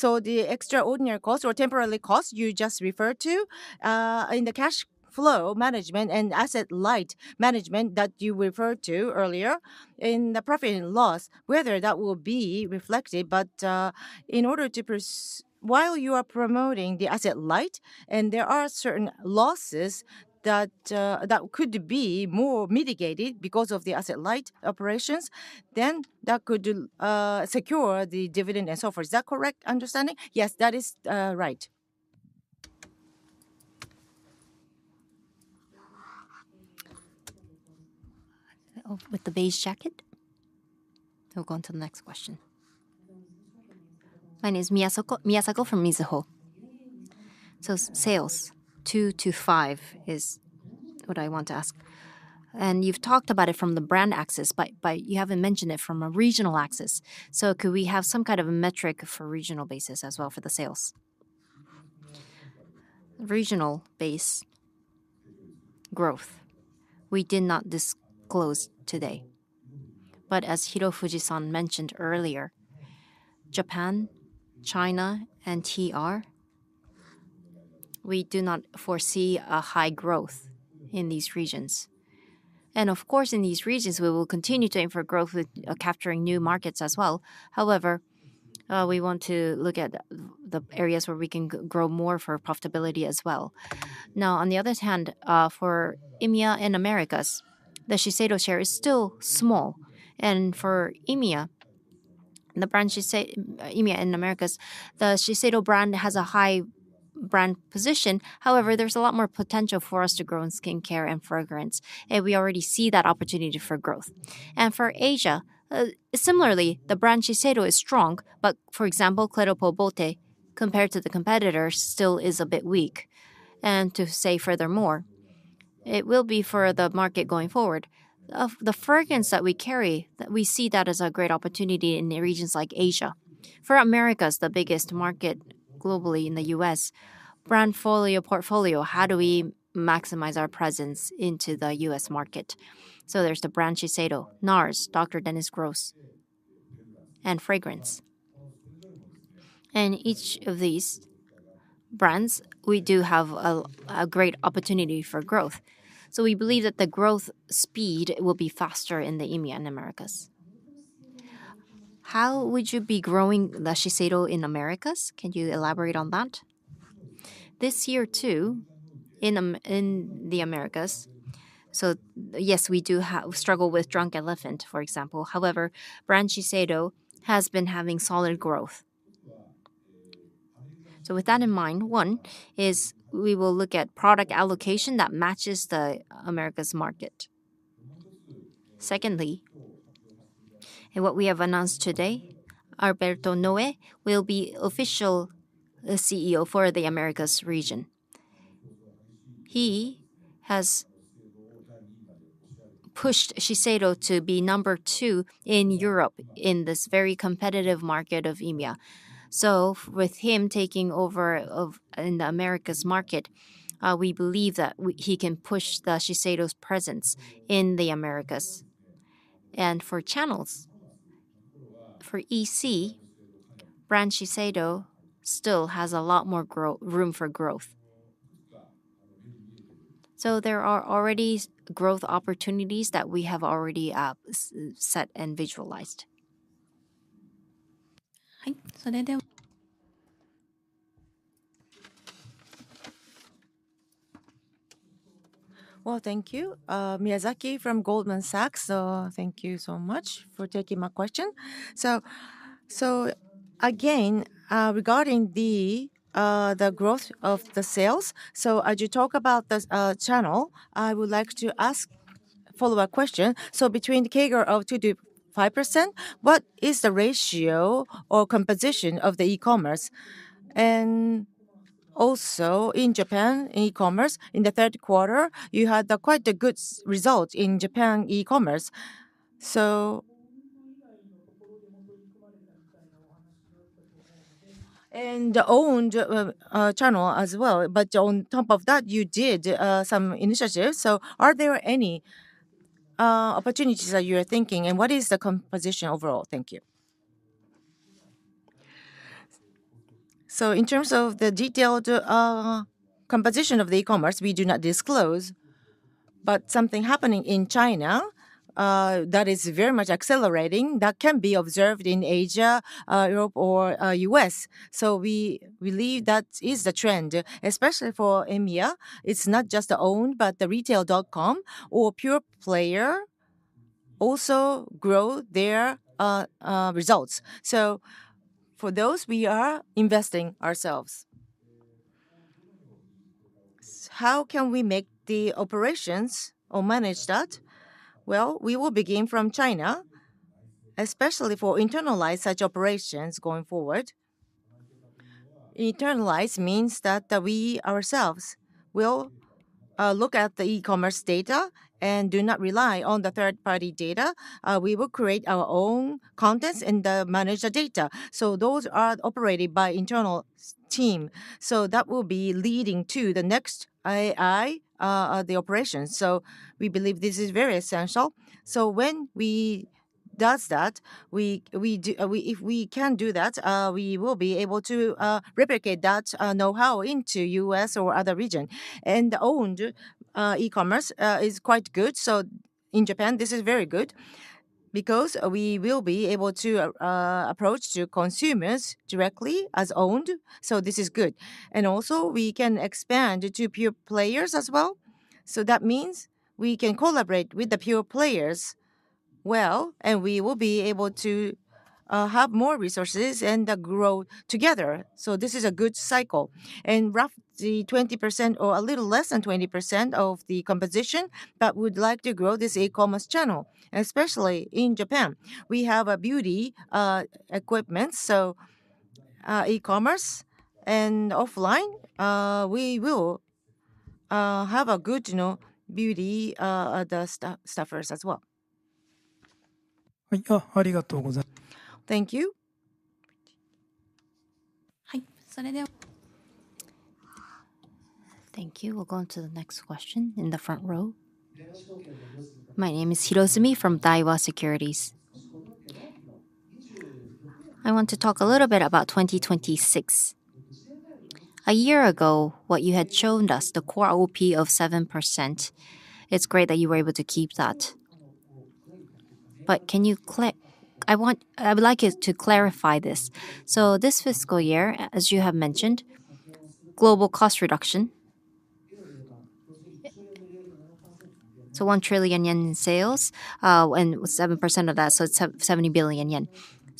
The extraordinary costs or temporary costs you just referred to in the cash flow management and asset-light management that you referred to earlier in the profit and loss, whether that will be reflected, but in order to, while you are promoting the asset-light and there are certain losses that could be more mitigated because of the asset-light operations, then that could secure the dividend and so forth. Is that a correct understanding? Yes, that is right. With the beige jacket, you'll go on to the next question. My name is Mitsuko Miyasako from Mizuho. Sales, 2-5 is what I want to ask. You have talked about it from the brand axis, but you have not mentioned it from a regional axis. Could we have some kind of a metric for regional basis as well for the sales? Regional base growth, we did not disclose today. As Ayako Hirofuji mentioned earlier, Japan, China, and TR, we do not foresee high growth in these regions. In these regions, we will continue to aim for growth with capturing new markets as well. However, we want to look at the areas where we can grow more for profitability as well. On the other hand, for EMEA and Americas, the Shiseido share is still small. For EMEA, the brand Shiseido and Americas, the Shiseido brand has a high brand position. However, there is a lot more potential for us to grow in skincare and fragrance. We already see that opportunity for growth. For Asia, similarly, the brand Shiseido is strong, but for example, Clé de Peau Beauté compared to the competitors still is a bit weak. To say furthermore, it will be for the market going forward. The fragrance that we carry, we see that as a great opportunity in regions like Asia. For Americas, the biggest market globally in the U.S., brand portfolio, how do we maximize our presence into the U.S. market? There is the brand Shiseido, NARS, Dr. Dennis Gross, and fragrance. Each of these brands, we do have a great opportunity for growth. We believe that the growth speed will be faster in the EMEA and Americas. How would you be growing the Shiseido in Americas? Can you elaborate on that? This year too, in the Americas. Yes, we do struggle with Drunk Elephant, for example. However, brand Shiseido has been having solid growth. With that in mind, one is we will look at product allocation that matches the Americas market. Secondly, what we have announced today, Alberto Noe will be official CEO for the Americas region. He has pushed Shiseido to be number two in Europe in this very competitive market of EMEA. With him taking over in the Americas market, we believe that he can push Shiseido's presence in the Americas. For channels, for EC, brand Shiseido still has a lot more room for growth. There are already growth opportunities that we have already set and visualized. Thank you. Miyazaki from Goldman Sachs, thank you so much for taking my question. Again, regarding the growth of the sales, as you talk about the channel, I would like to ask a follow-up question. Between the Kagura of 2-5%, what is the ratio or composition of the E-commerce? Also in Japan, E-commerce, in the third quarter, you had quite a good result in Japan E-commerce. Owned channel as well, but on top of that, you did some initiatives. Are there any opportunities that you are thinking, and what is the composition overall? Thank you. In terms of the detailed composition of the E-commerce, we do not disclose, but something happening in China that is very much accelerating can be observed in Asia, Europe, or the U.S. We believe that is the trend, especially for EMEA. It is not just owned, but the retail.com or pure player also grow their results. For those, we are investing ourselves. How can we make the operations or manage that? We will begin from China, especially to internalize such operations going forward. Internalize means that we ourselves will look at the E-commerce data and do not rely on third-party data. We will create our own contents and manage the data. Those are operated by an internal team. That will be leading to the next AI, the operations. We believe this is very essential. When we does that, if we can do that, we will be able to replicate that know-how into the U.S. or other region. The owned E-commerce is quite good. In Japan, this is very good because we will be able to approach consumers directly as owned. This is good. Also, we can expand to pure players as well. That means we can collaborate with the pure players well, and we will be able to have more resources and grow together. This is a good cycle. Roughly 20% or a little less than 20% of the composition, but we would like to grow this E-commerce channel, especially in Japan. We have beauty equipment, so E-commerce and offline, we will have good beauty staffers as well. Thank you. Thank you. We'll go on to the next question in the front row. My name is Hirozumi from Daiwa Securities. I want to talk a little bit about 2026. A year ago, what you had shown us, the core OP of 7%, it's great that you were able to keep that. But can you click? I would like you to clarify this. This fiscal year, as you have mentioned, global cost reduction. 1 trillion yen in sales and 7% of that, so 70 billion yen.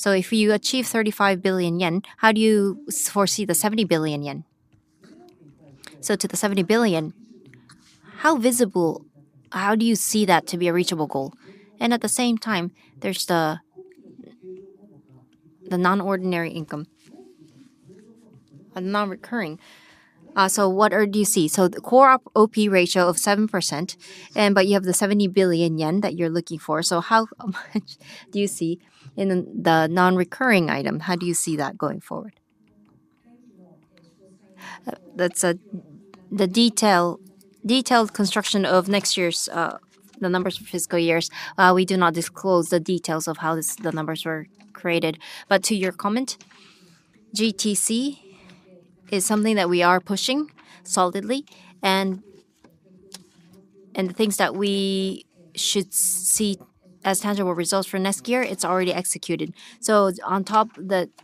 If you achieve 35 billion yen, how do you foresee the 70 billion yen? To the 70 billion, how visible, how do you see that to be a reachable goal? At the same time, there's the non-ordinary income, non-recurring. What do you see? The core OP ratio of 7%, but you have the 70 billion yen that you're looking for. How much do you see in the non-recurring item? How do you see that going forward? That is the detailed construction of next year's numbers for fiscal years. We do not disclose the details of how the numbers were created. To your comment, GTC is something that we are pushing solidly. The things that we should see as tangible results for next year are already executed. On top,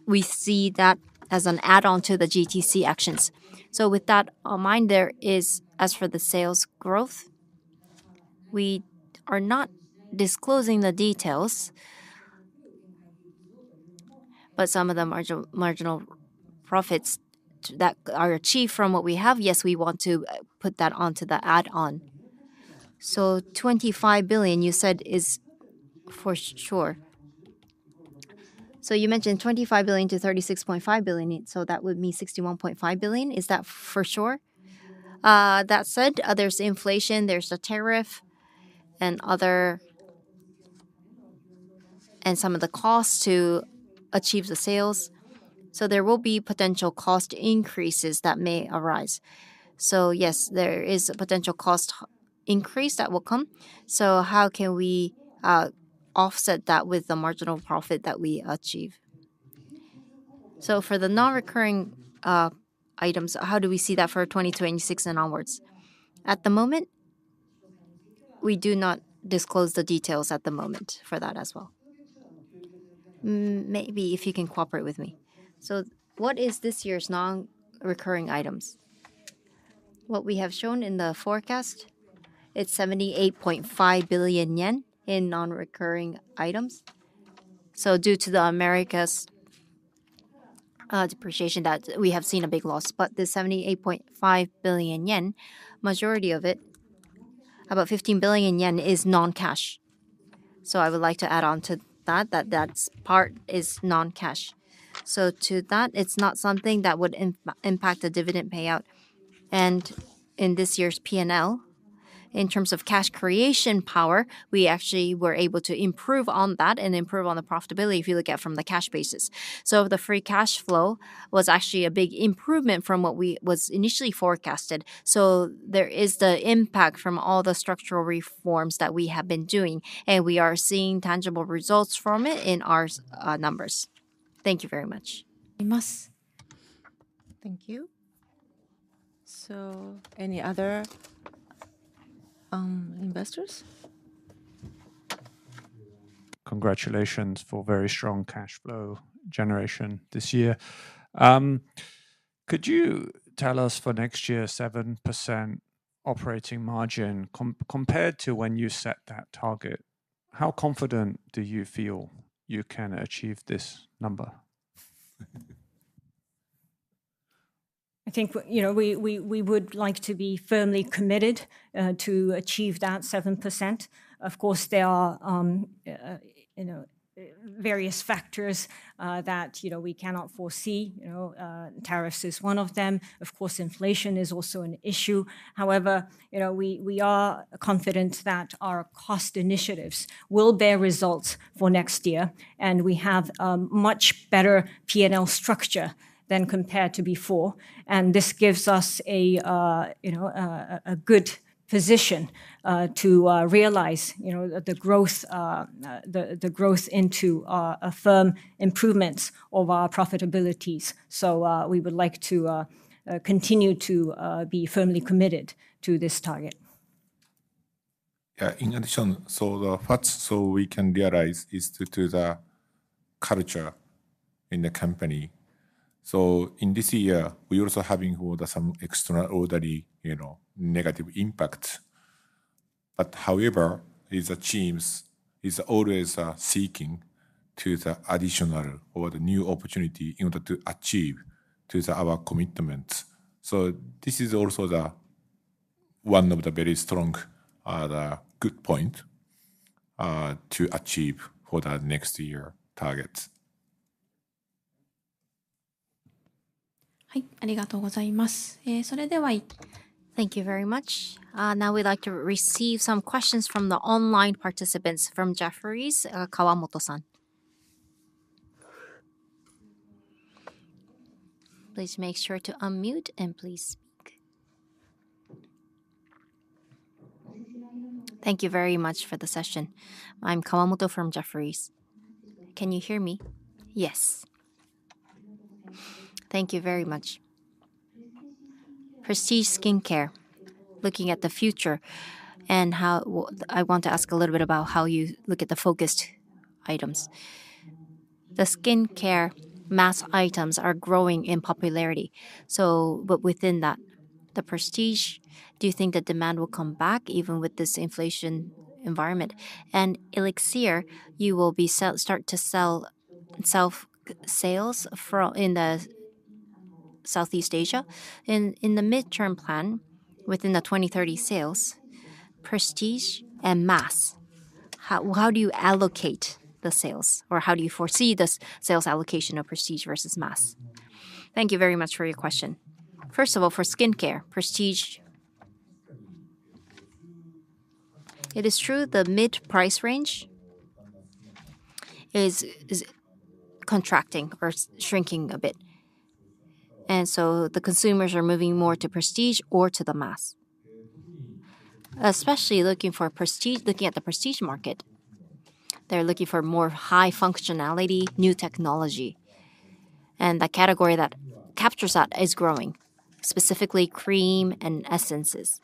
we see that as an add-on to the GTC actions. With that in mind, as for the sales growth, we are not disclosing the details, but some of the marginal profits that are achieved from what we have, yes, we want to put that onto the add-on. Twenty-five billion, you said, is for sure. You mentioned 25 billion to 36.5 billion. That would mean 61.5 billion. Is that for sure? That said, there's inflation, there's the tariff, and some of the costs to achieve the sales. There will be potential cost increases that may arise. Yes, there is a potential cost increase that will come. How can we offset that with the marginal profit that we achieve? For the non-recurring items, how do we see that for 2026 and onwards? At the moment, we do not disclose the details at the moment for that as well. Maybe if you can cooperate with me. What is this year's non-recurring items? What we have shown in the forecast, it's 78.5 billion yen in non-recurring items. Due to the Americas depreciation, we have seen a big loss. The 78.5 billion yen, majority of it, about 15 billion yen is non-cash. I would like to add on to that that part is non-cash. To that, it's not something that would impact the dividend payout. In this year's P&L, in terms of cash creation power, we actually were able to improve on that and improve on the profitability if you look at it from the cash basis. The free cash flow was actually a big improvement from what was initially forecasted. There is the impact from all the structural reforms that we have been doing, and we are seeing tangible results from it in our numbers. Thank you very much. Thank you. Any other investors? Congratulations for very strong cash flow generation this year. Could you tell us for next year, 7% operating margin compared to when you set that target? How confident do you feel you can achieve this number? I think we would like to be firmly committed to achieve that 7%. Of course, there are various factors that we cannot foresee. Tariffs is one of them. Of course, inflation is also an issue. However, we are confident that our cost initiatives will bear results for next year. We have a much better P&L structure than compared to before. This gives us a good position to realize the growth into a firm improvement of our profitabilities. We would like to continue to be firmly committed to this target. Yeah, in addition, the first we can realize is to the culture in the company. In this year, we also have some extraordinary negative impacts. However, it's a team's always seeking to the additional or the new opportunity in order to achieve to our commitments. This is also one of the very strong good points to achieve for the next year targets. Thank you very much. Now we'd like to receive some questions from the online participants from Jefferies, Kawamoto-san. Please make sure to unmute and please speak. Thank you very much for the session. I'm Kawamoto from Jefferies. Can you hear me? Yes. Thank you very much. Prestige skincare, looking at the future, and I want to ask a little bit about how you look at the focused items. The skincare mass items are growing in popularity. Within that, the prestige, do you think the demand will come back even with this inflation environment? Elixir, you will start to sell sales in Southeast Asia. In the midterm plan, within the 2030 sales, prestige and mass, how do you allocate the sales? Or how do you foresee the sales allocation of prestige versus mass? Thank you very much for your question. First of all, for skincare, prestige, it is true the mid-price range is contracting or shrinking a bit. The consumers are moving more to prestige or to the mass, especially looking at the prestige market. They're looking for more high functionality, new technology. The category that captures that is growing, specifically cream and essences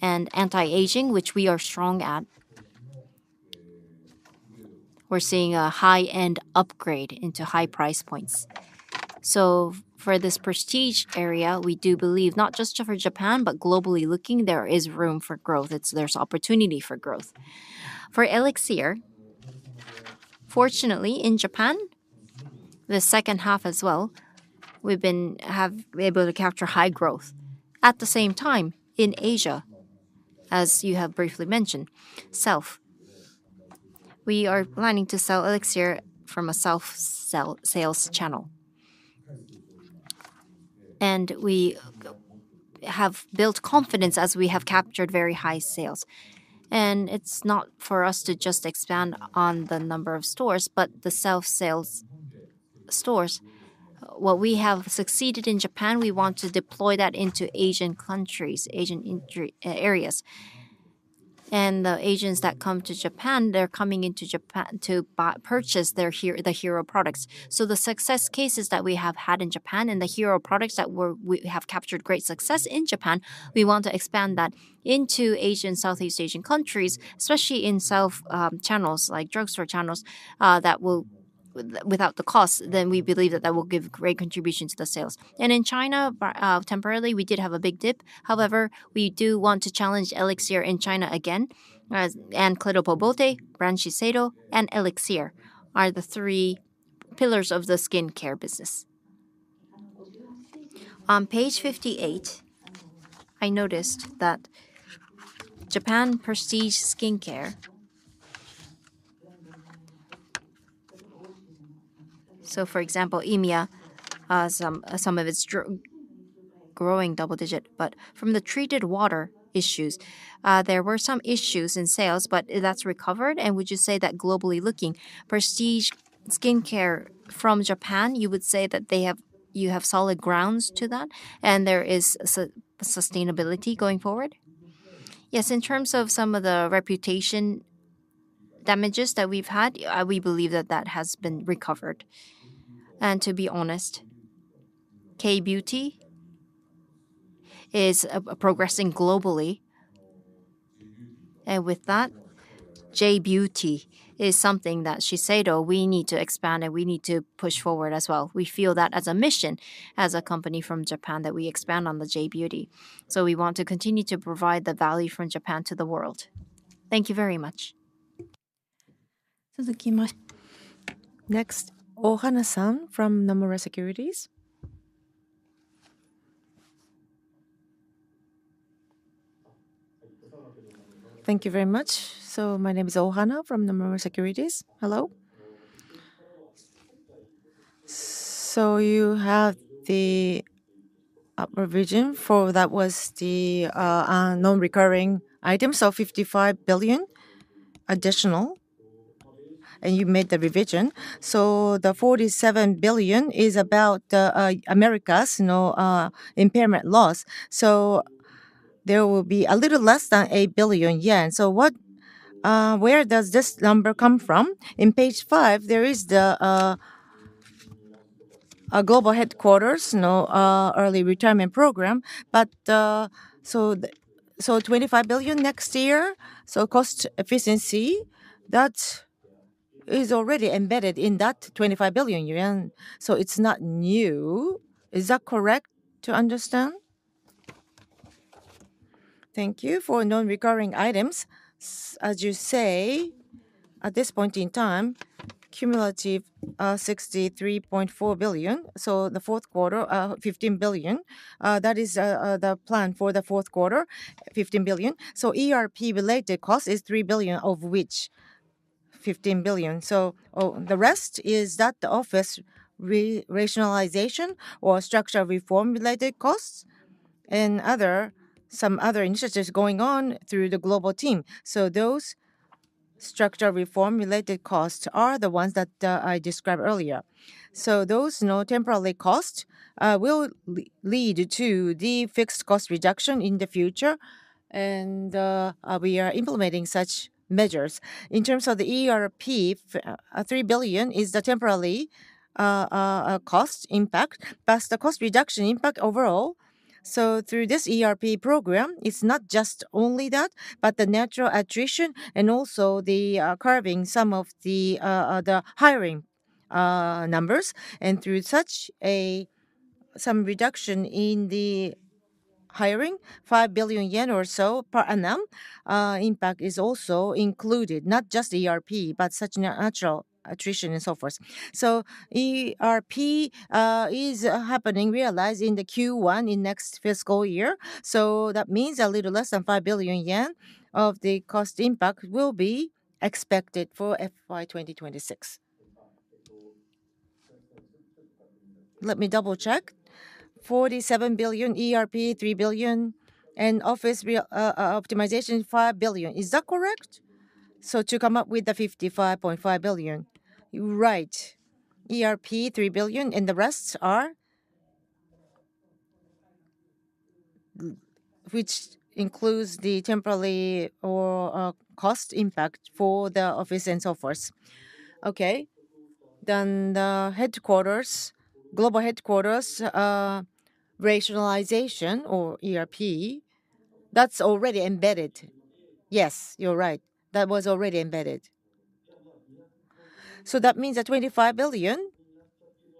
and anti-aging, which we are strong at. We're seeing a high-end upgrade into high price points. For this prestige area, we do believe not just for Japan, but globally looking, there is room for growth. There's opportunity for growth. For Elixir, fortunately, in Japan, the second half as well, we've been able to capture high growth. At the same time, in Asia, as you have briefly mentioned, we are planning to sell Elixir from a self-sales channel. We have built confidence as we have captured very high sales. It is not for us to just expand on the number of stores, but the self-sales stores. What we have succeeded in Japan, we want to deploy that into Asian countries, Asian areas. The agents that come to Japan, they are coming into Japan to purchase the Hero products. The success cases that we have had in Japan and the Hero products that we have captured great success in Japan, we want to expand that into Asian, Southeast Asian countries, especially in self channels like drugstore channels that will, without the cost, then we believe that that will give great contributions to the sales. In China, temporarily, we did have a big dip. However, we do want to challenge Elixir in China again. And Clé de Peau Beauté, Shiseido, and Elixir are the three pillars of the skincare business. On page 58, I noticed that Japan prestige skincare, so for example, EMEA has some of its growing double-digit, but from the treated water issues, there were some issues in sales, but that's recovered. And would you say that globally looking, prestige skincare from Japan, you would say that you have solid grounds to that, and there is sustainability going forward? Yes, in terms of some of the reputation damages that we've had, we believe that that has been recovered. And to be honest, K-beauty is progressing globally. And with that, J-beauty is something that Shiseido, we need to expand and we need to push forward as well. We feel that as a mission, as a company from Japan, that we expand on the J-beauty. We want to continue to provide the value from Japan to the world. Thank you very much. Next, Ohana-san from Nomura Securities. Thank you very much. My name is Ohana from Nomura Securities. Hello. You have the revision for that was the non-recurring items, So 55 billion additional, and you made the revision. The 47 billion is about Americas Impairment loss. There will be a little less than 8 billion yen. Where does this number come from? On page 5, there is the global headquarters, early retirement program. 25 billion next year, so cost efficiency, that is already embedded in that JPY 25 billion. It is not new. Is that correct to understand? Thank you. For non-recurring items, as you say, at this point in time, cumulative 63.4 billion. The fourth quarter, 15 billion. That is the plan for the fourth quarter, 15 billion. ERP-related costs is 3 billion of which 15 billion. The rest is the office rationalization or structure reform-related costs and some other initiatives going on through the global team. Those structure reform-related costs are the ones that I described earlier. Those temporary costs will lead to the fixed cost reduction in the future. We are implementing such measures. In terms of the ERP, 3 billion is the temporary cost impact, but the cost reduction impact overall. Through this ERP program, it's not just only that, but the natural attrition and also carving some of the hiring numbers. Through such a reduction in the hiring, 5 billion yen or so per annum impact is also included, not just ERP, but such natural attrition and so forth. ERP is happening, realized in Q1 in next fiscal year. That means a little less than 5 billion yen of the cost impact will be expected for FY 2026. Let me double-check. 47 billion ERP, 3 billion, and office optimization, 5 billion. Is that correct? To come up with the 55.5 billion. Right. ERP, 3 billion, and the rest are which includes the temporary or cost impact for the office and so forth. Okay. The headquarters, global headquarters rationalization or ERP, that's already embedded. Yes, you're right. That was already embedded. That means that 25 billion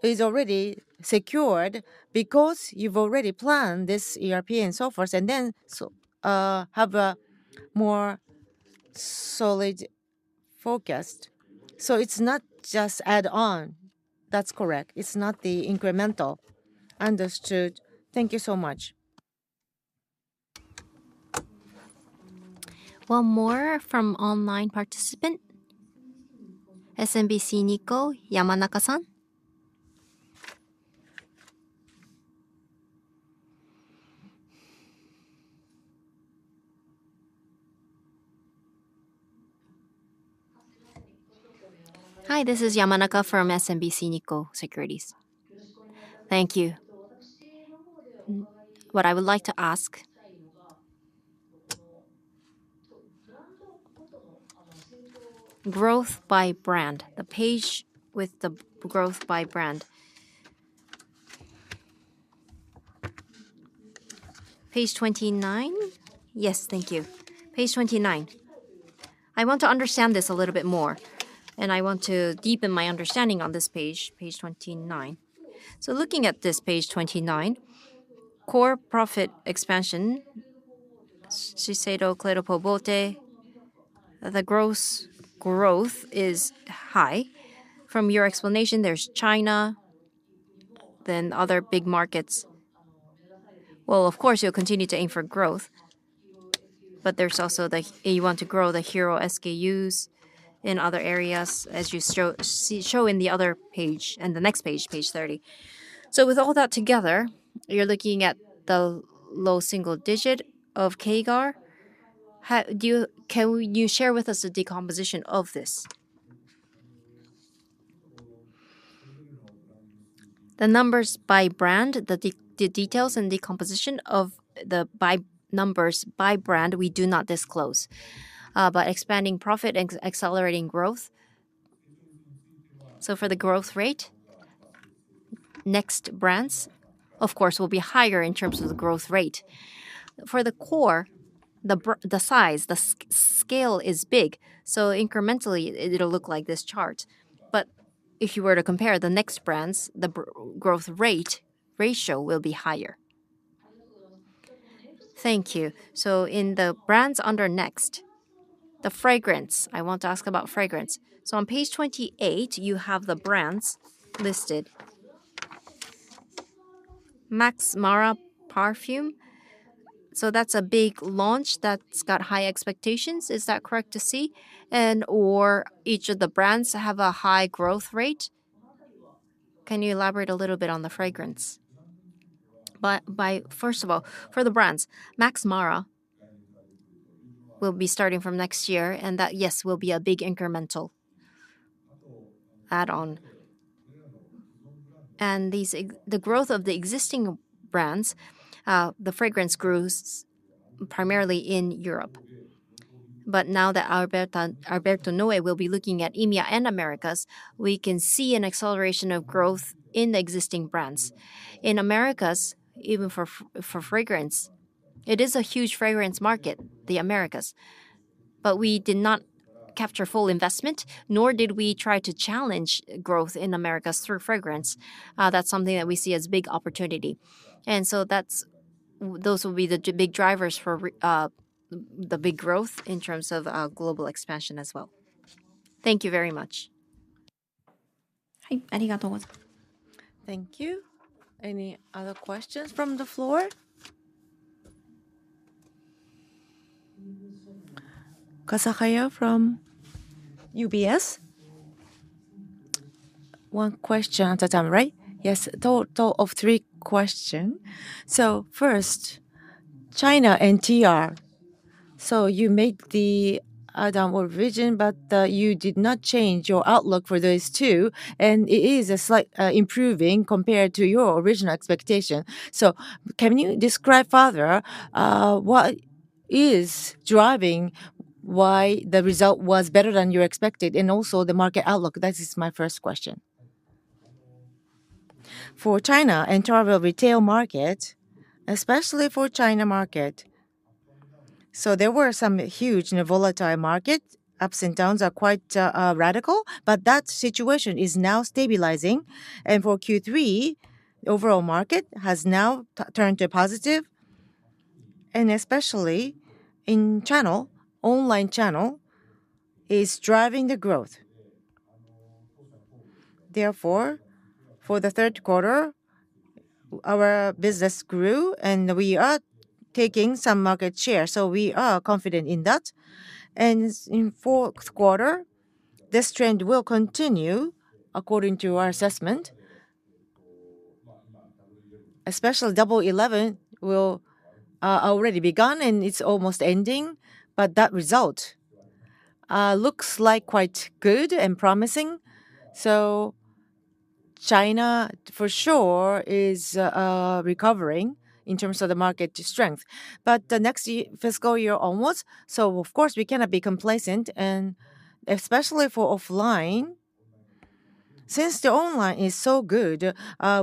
is already secured because you've already planned this ERP and so forth and then have a more solid focus. It's not just add-on. That's correct. It's not the incremental. Understood. Thank you so much. One more from online participant, SMBC Nikko, Yamanaka-san. Hi, this is Shima Yamanaka from SMBC Nikko Securities. Thank you. What I would like to ask, growth by brand, the page with the growth by brand. Page 29. Yes, thank you. Page 29. I want to understand this a little bit more, and I want to deepen my understanding on this page, page 29. So looking at this page 29, core profit expansion, Shiseido, Clé de Peau Beauté, the gross growth is high. From your explanation, there's China, then other big markets. Of course, you'll continue to aim for growth, but there's also the you want to grow the Hero SKUs in other areas, as you show in the other page and the next page, page 30. With all that together, you're looking at the low single digit of CAGR. Can you share with us the decomposition of this? The numbers by brand, the details and decomposition of the numbers by brand, we do not disclose. Expanding profit and accelerating growth. For the growth rate, next brands, of course, will be higher in terms of the growth rate. For the core, the size, the scale is big. Incrementally, it will look like this chart. If you were to compare the next brands, the growth rate ratio will be higher. Thank you. In the brands under next, the fragrance, I want to ask about fragrance. On page 28, you have the brands listed. Max Mara Parfum. That is a big launch that has high expectations. Is that correct to see? And/or each of the brands have a high growth rate? Can you elaborate a little bit on the fragrance? First of all, for the brands, Max Mara will be starting from next year, and that, yes, will be a big incremental add-on. The growth of the existing brands, the fragrance grows primarily in Europe. Now that Alberto Noe will be looking at EMEA and Americas, we can see an acceleration of growth in the existing brands. In Americas, even for fragrance, it is a huge fragrance market, the Americas. We did not capture full investment, nor did we try to challenge growth in Americas through fragrance. That is something that we see as a big opportunity. Those will be the big drivers for the big growth in terms of global expansion as well. Thank you very much. Thank you. Any other questions from the floor? Kasahaya from UBS. One question at a time, right? Yes. A total of three questions. First, China and TR. You made the add-on revision, but you did not change your outlook for those two. It is a slight improvement compared to your original expectation. Can you describe further what is driving why the result was better than you expected? Also, the market outlook. That is my first question. For China and travel retail market, especially for China market, there were some huge volatile markets. Ups and downs are quite radical. That situation is now stabilizing. For Q3, the overall market has now turned to positive. Especially in channel, online channel is driving the growth. Therefore, for the third quarter, our business grew and we are taking some market share. We are confident in that. In fourth quarter, this trend will continue, according to our assessment. Especially double 11 will already be gone and it is almost ending. That result looks quite good and promising. China, for sure, is recovering in terms of the market strength. The next fiscal year, almost. Of course, we cannot be complacent. Especially for offline, since the online is so good,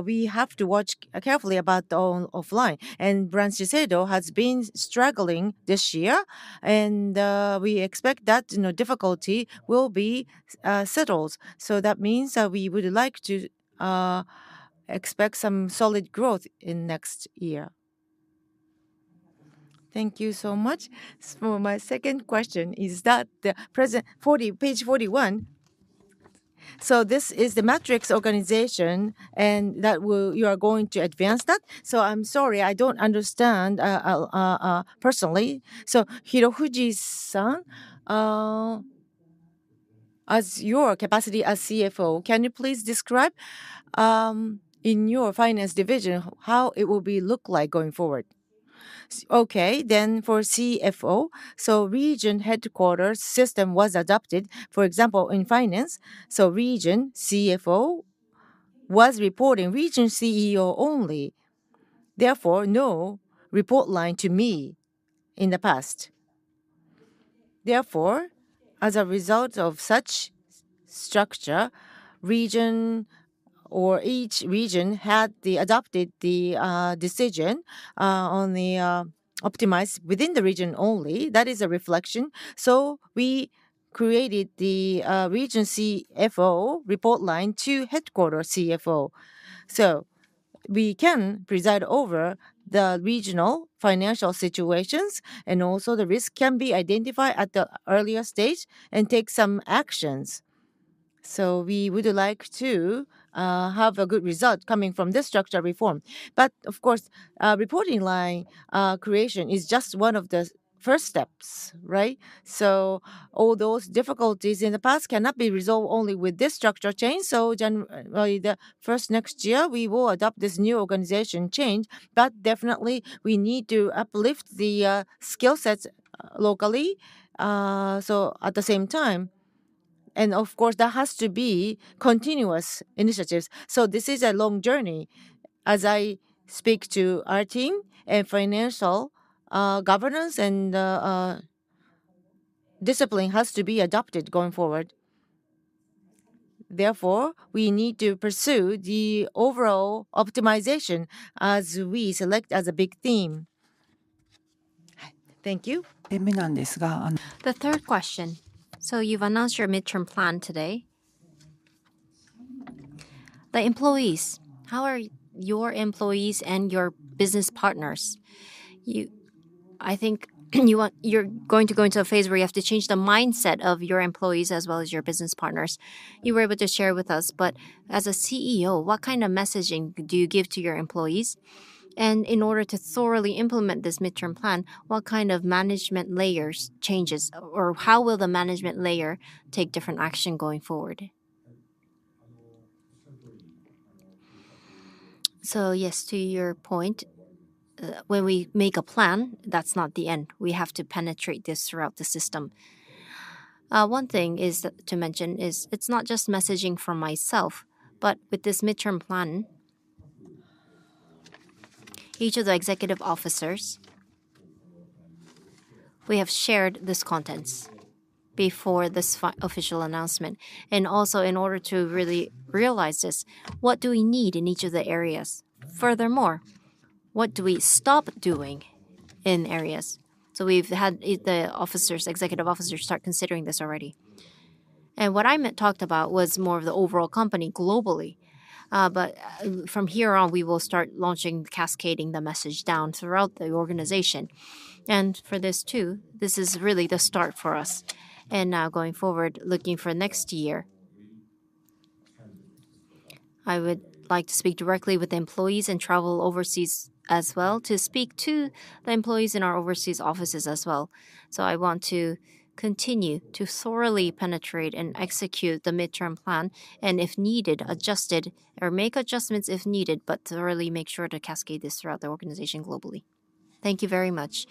we have to watch carefully about the offline. Brand Shiseido has been struggling this year. We expect that difficulty will be settled. That means we would like to expect some solid growth next year. Thank you so much. For my second question, is that the present page 41? This is the matrix organization and you are going to advance that. I'm sorry, I don't understand personally. Hirofuji-san, as your capacity as CFO, can you please describe in your finance division how it will look like going forward? Okay, for CFO, region headquarters system was adopted, for example, in finance. Region CFO was reporting to region CEO only. Therefore, no report line to me in the past. As a result of such structure, each region had adopted the decision to optimize within the region only. That is a reflection. We created the region CFO report line to headquarters CFO. We can preside over the regional financial situations and also the risk can be identified at an earlier stage and take some actions. We would like to have a good result coming from this structure reform. Of course, reporting line creation is just one of the first steps, right? All those difficulties in the past cannot be resolved only with this structure change. The first next year, we will adopt this new organization change. Definitely, we need to uplift the skill sets locally at the same time. Of course, that has to be continuous initiatives. This is a long journey. As I speak to our team, financial governance and discipline has to be adopted going forward. Therefore, we need to pursue the overall optimization as we select as a big theme. Thank you. なんですが。The third question. You have announced your midterm plan today. The employees, how are your employees and your business partners? I think you are going to go into a phase where you have to change the mindset of your employees as well as your business partners. You were able to share with us. As a CEO, what kind of messaging do you give to your employees? In order to thoroughly implement this midterm plan, what kind of management layers changes or how will the management layer take different action going forward? Yes, to your point, when we make a plan, that's not the end. We have to penetrate this throughout the system. One thing to mention is it's not just messaging for myself, but with this midterm plan, each of the executive officers, we have shared this content before this official announcement. Also, in order to really realize this, what do we need in each of the areas? Furthermore, what do we stop doing in areas? We have had the executive officers start considering this already. What I talked about was more of the overall company globally. From here on, we will start launching, Cascading the message down throughout the organization. For this too, this is really the start for us. Now going forward, looking for next year, I would like to speak directly with the employees and travel overseas as well to speak to the employees in our Overseas offices as well. I want to continue to thoroughly penetrate and execute the midterm plan and, if needed, adjust it or make adjustments if needed, but thoroughly make sure to cascade this throughout the organization globally. Thank you very much.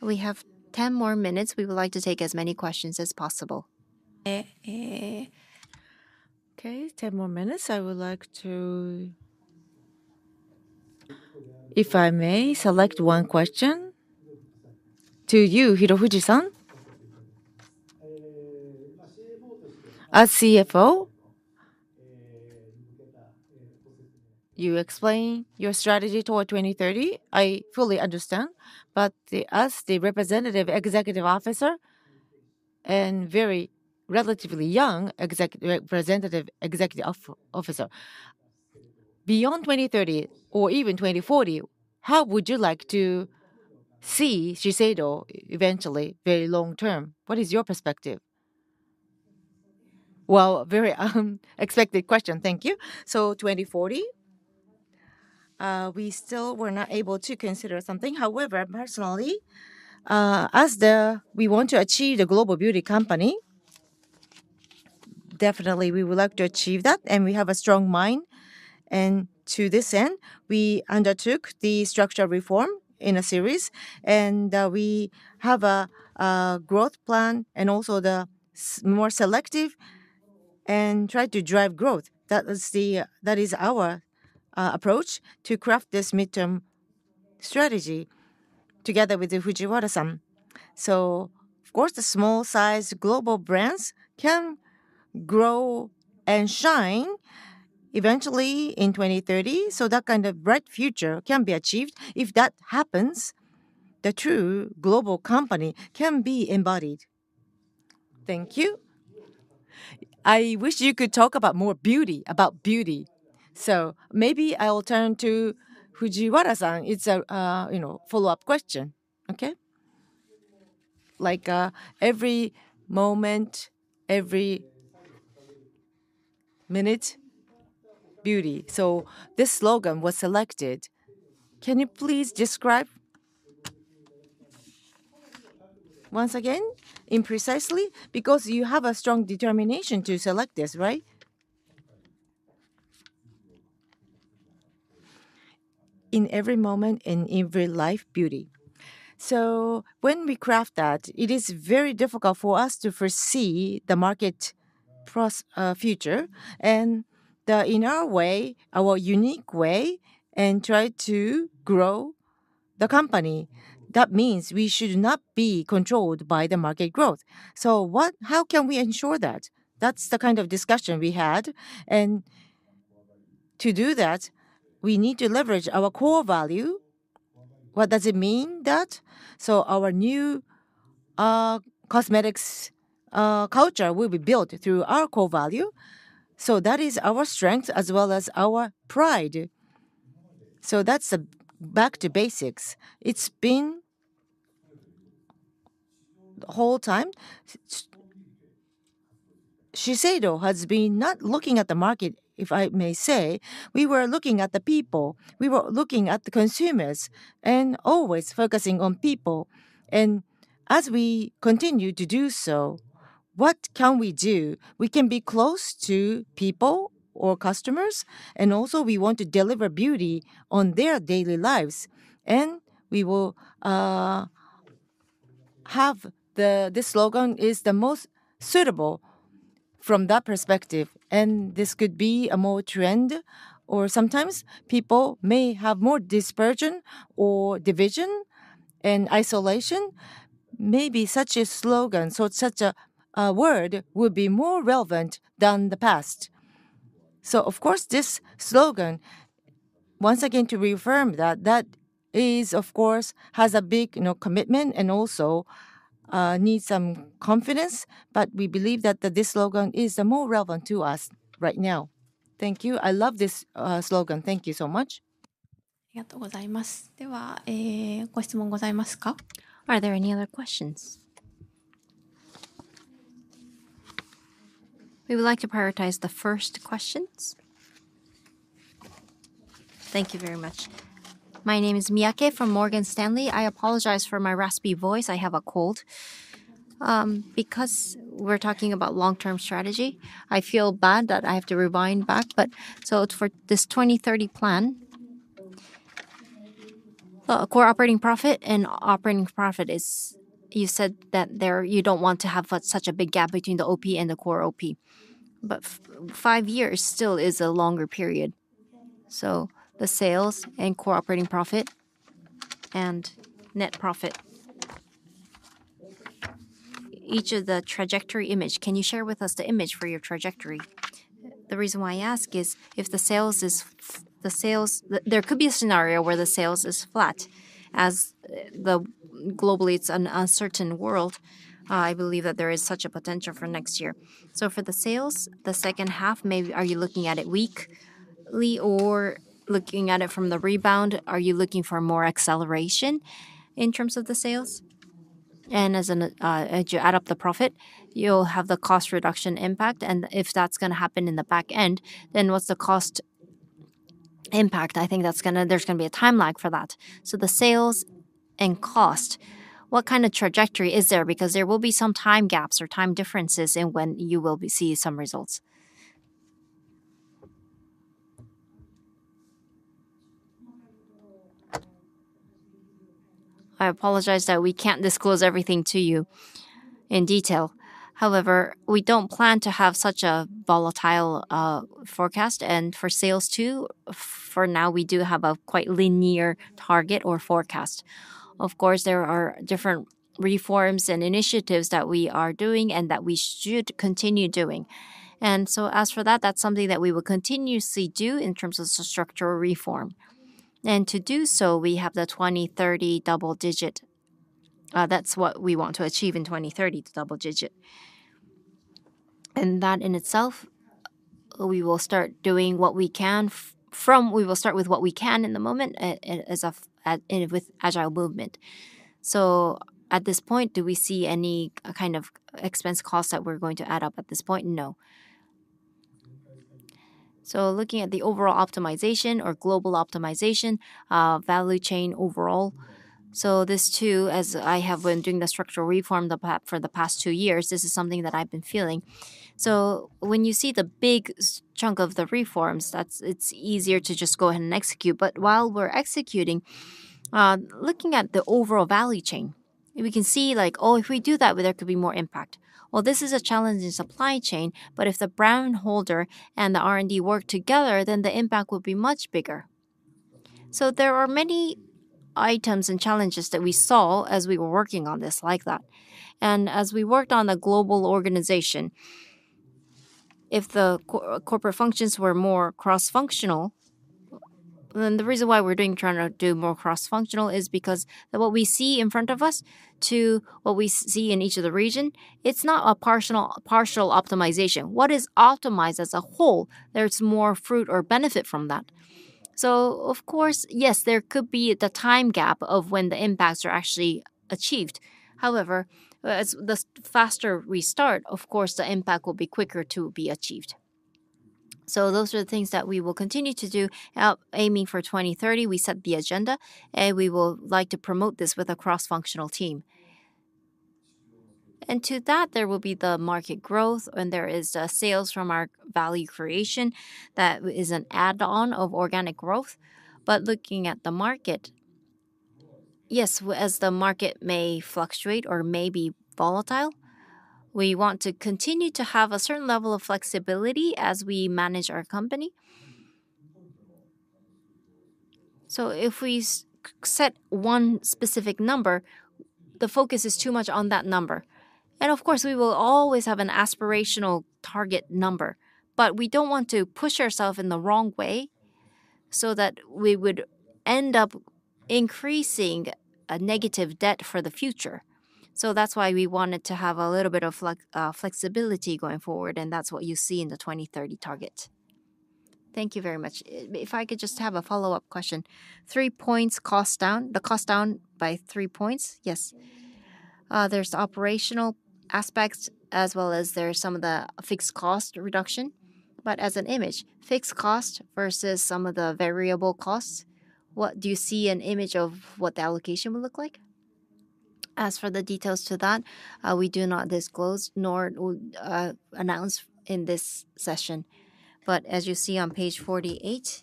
We have 10 more minutes. We would like to take as many questions as possible. Okay, 10 more minutes. I would like to, if I may, select one question to you, Hirofuji-san. As CFO, you explained your strategy toward 2030. I fully understand. As the representative executive officer and very relatively young representative executive officer, beyond 2030 or even 2040, how would you like to see Shiseido eventually, very long term? What is your perspective? Very expected question. Thank you. For 2040, we still were not able to consider something. However, personally, as we want to achieve the global beauty company, definitely we would like to achieve that. We have a strong mind. To this end, we undertook the structure reform in a series. We have a growth plan and also the more selective and tried to drive growth. That is our approach to craft this midterm strategy together with Fujiwara-san. Of course, the small-sized global brands can grow and shine eventually in 2030. That kind of bright future can be achieved. If that happens, the true global company can be embodied. Thank you. I wish you could talk about more beauty, about beauty. Maybe I'll turn to Fujiwara-san. It's a follow-up question, okay? Like every moment, every minute, beauty. This slogan was selected. Can you please describe once again precisely? Because you have a strong determination to select this, right? In every moment and every life, beauty. When we craft that, it is very difficult for us to foresee the market future. In our way, our unique way, and try to grow the company. That means we should not be controlled by the market growth. How can we ensure that? That's the kind of discussion we had. To do that, we need to leverage our core value. What does it mean? Our new Cosmetics culture will be built through our core value. That is our strength as well as our pride. That is back to basics. It has been the whole time. Shiseido has been not looking at the market, if I may say. We were looking at the people. We were looking at the consumers and always focusing on people. As we continue to do so, what can we do? We can be close to people or customers. Also, we want to deliver beauty in their daily lives. We will have this slogan as the most suitable from that perspective. This could be more of a trend. Sometimes people may have more dispersion or division and isolation. Maybe such a slogan, such a word, would be more relevant than in the past. Of course, this slogan, once again to reaffirm that, has a big commitment and also needs some confidence. But we believe that this slogan is more relevant to us right now. Thank you. I love this slogan. Thank you so much. ありがとうございます。では、ご質問ございますか？ Are there any other questions? We would like to prioritize the first questions. Thank you very much. My name is Miyake from Morgan Stanley. I apologize for my raspy voice. I have a cold. Because we're talking about long-term strategy, I feel bad that I have to rewind back. But for this 2030 plan, core operating profit and operating profit is, you said that you don't want to have such a big gap between the OP and the core OP. Five years still is a longer period. The sales and core operating profit and net profit. Each of the trajectory image, can you share with us the image for your trajectory? The reason why I ask is if the sales is, there could be a scenario where the sales is flat. As globally, it's an uncertain world. I believe that there is such a potential for next year. For the sales, the second half, maybe are you looking at it weakly or looking at it from the rebound? Are you looking for more acceleration in terms of the sales? As you add up the profit, you'll have the cost reduction impact. If that's going to happen in the back end, then what's the cost impact? I think there's going to be a time lag for that. The sales and cost, what kind of trajectory is there? Because there will be some time gaps or time differences in when you will see some results. I apologize that we can't disclose everything to you in detail. However, we do not plan to have such a volatile forecast. For sales too, for now, we do have a quite linear target or forecast. Of course, there are different reforms and initiatives that we are doing and that we should continue doing. As for that, that is something that we will continuously do in terms of structural reform. To do so, we have the 2030 double digit. That is what we want to achieve in 2030, the double digit. That in itself, we will start doing what we can from, we will start with what we can in the moment with agile movement. At this point, do we see any kind of expense costs that we are going to add up at this point? No. Looking at the overall optimization or global optimization, value chain overall. As I have been doing the structural reform for the past two years, this is something that I've been feeling. When you see the big chunk of the reforms, it's easier to just go ahead and execute. While we're executing, looking at the overall value chain, we can see like, oh, if we do that, there could be more impact. This is a challenge in supply chain. If the brand holder and the R&D work together, then the impact would be much bigger. There are many items and challenges that we saw as we were working on this like that. As we worked on the global organization, if the corporate functions were more cross-functional, the reason why we are trying to do more cross-functional is because what we see in front of us to what we see in each of the region, it is not a partial optimization. What is optimized as a whole, there is more fruit or benefit from that. Of course, yes, there could be the time gap of when the impacts are actually achieved. However, the faster we start, the impact will be quicker to be achieved. Those are the things that we will continue to do. Aiming for 2030, we set the agenda, and we would like to promote this with a cross-functional team. To that, there will be the market growth, and there is sales from our value creation that is an add-on of organic growth. Looking at the market, yes, as the market may fluctuate or may be volatile, we want to continue to have a certain level of flexibility as we manage our company. If we set one specific number, the focus is too much on that number. Of course, we will always have an aspirational target number. We do not want to push ourselves in the wrong way so that we would end up increasing a negative debt for the future. That is why we wanted to have a little bit of flexibility going forward, and that is what you see in the 2030 target. Thank you very much. If I could just have a follow-up question. Three points cost down, the cost down by three points. Yes. There are operational aspects as well as there is some of the fixed cost reduction. As an image, fixed cost versus some of the variable costs, what do you see an image of what the allocation will look like? As for the details to that, we do not disclose nor announce in this session. As you see on page 48,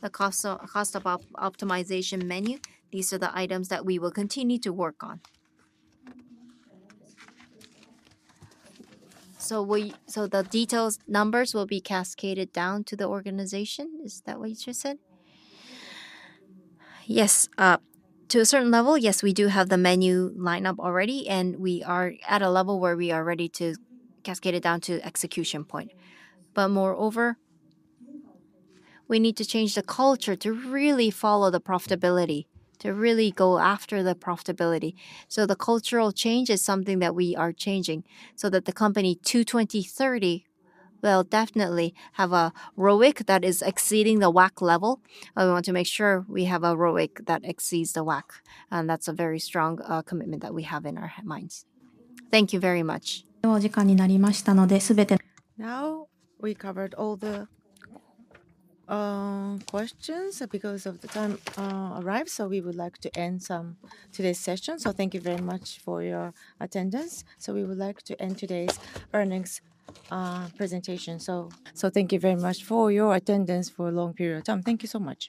the cost optimization menu, these are the items that we will continue to work on. The detailed numbers will be cascaded down to the organization. Is that what you just said? Yes. To a certain level, yes, we do have the menu lineup already, and we are at a level where we are ready to cascade it down to the execution point. Moreover, we need to change the culture to really follow the profitability, to really go after the profitability. The cultural change is something that we are changing so that the company to 2030 will definitely have a ROIC that is exceeding the WAC level. We want to make sure we have a ROIC that exceeds the WAC. That is a very strong commitment that we have in our minds. Thank you very much. お時間になりましたので、すべて。Now we covered all the questions because the time arrived. We would like to end today's session. Thank you very much for your attendance. We would like to end today's earnings presentation. Thank you very much for your attendance for a long period of time. Thank you so much.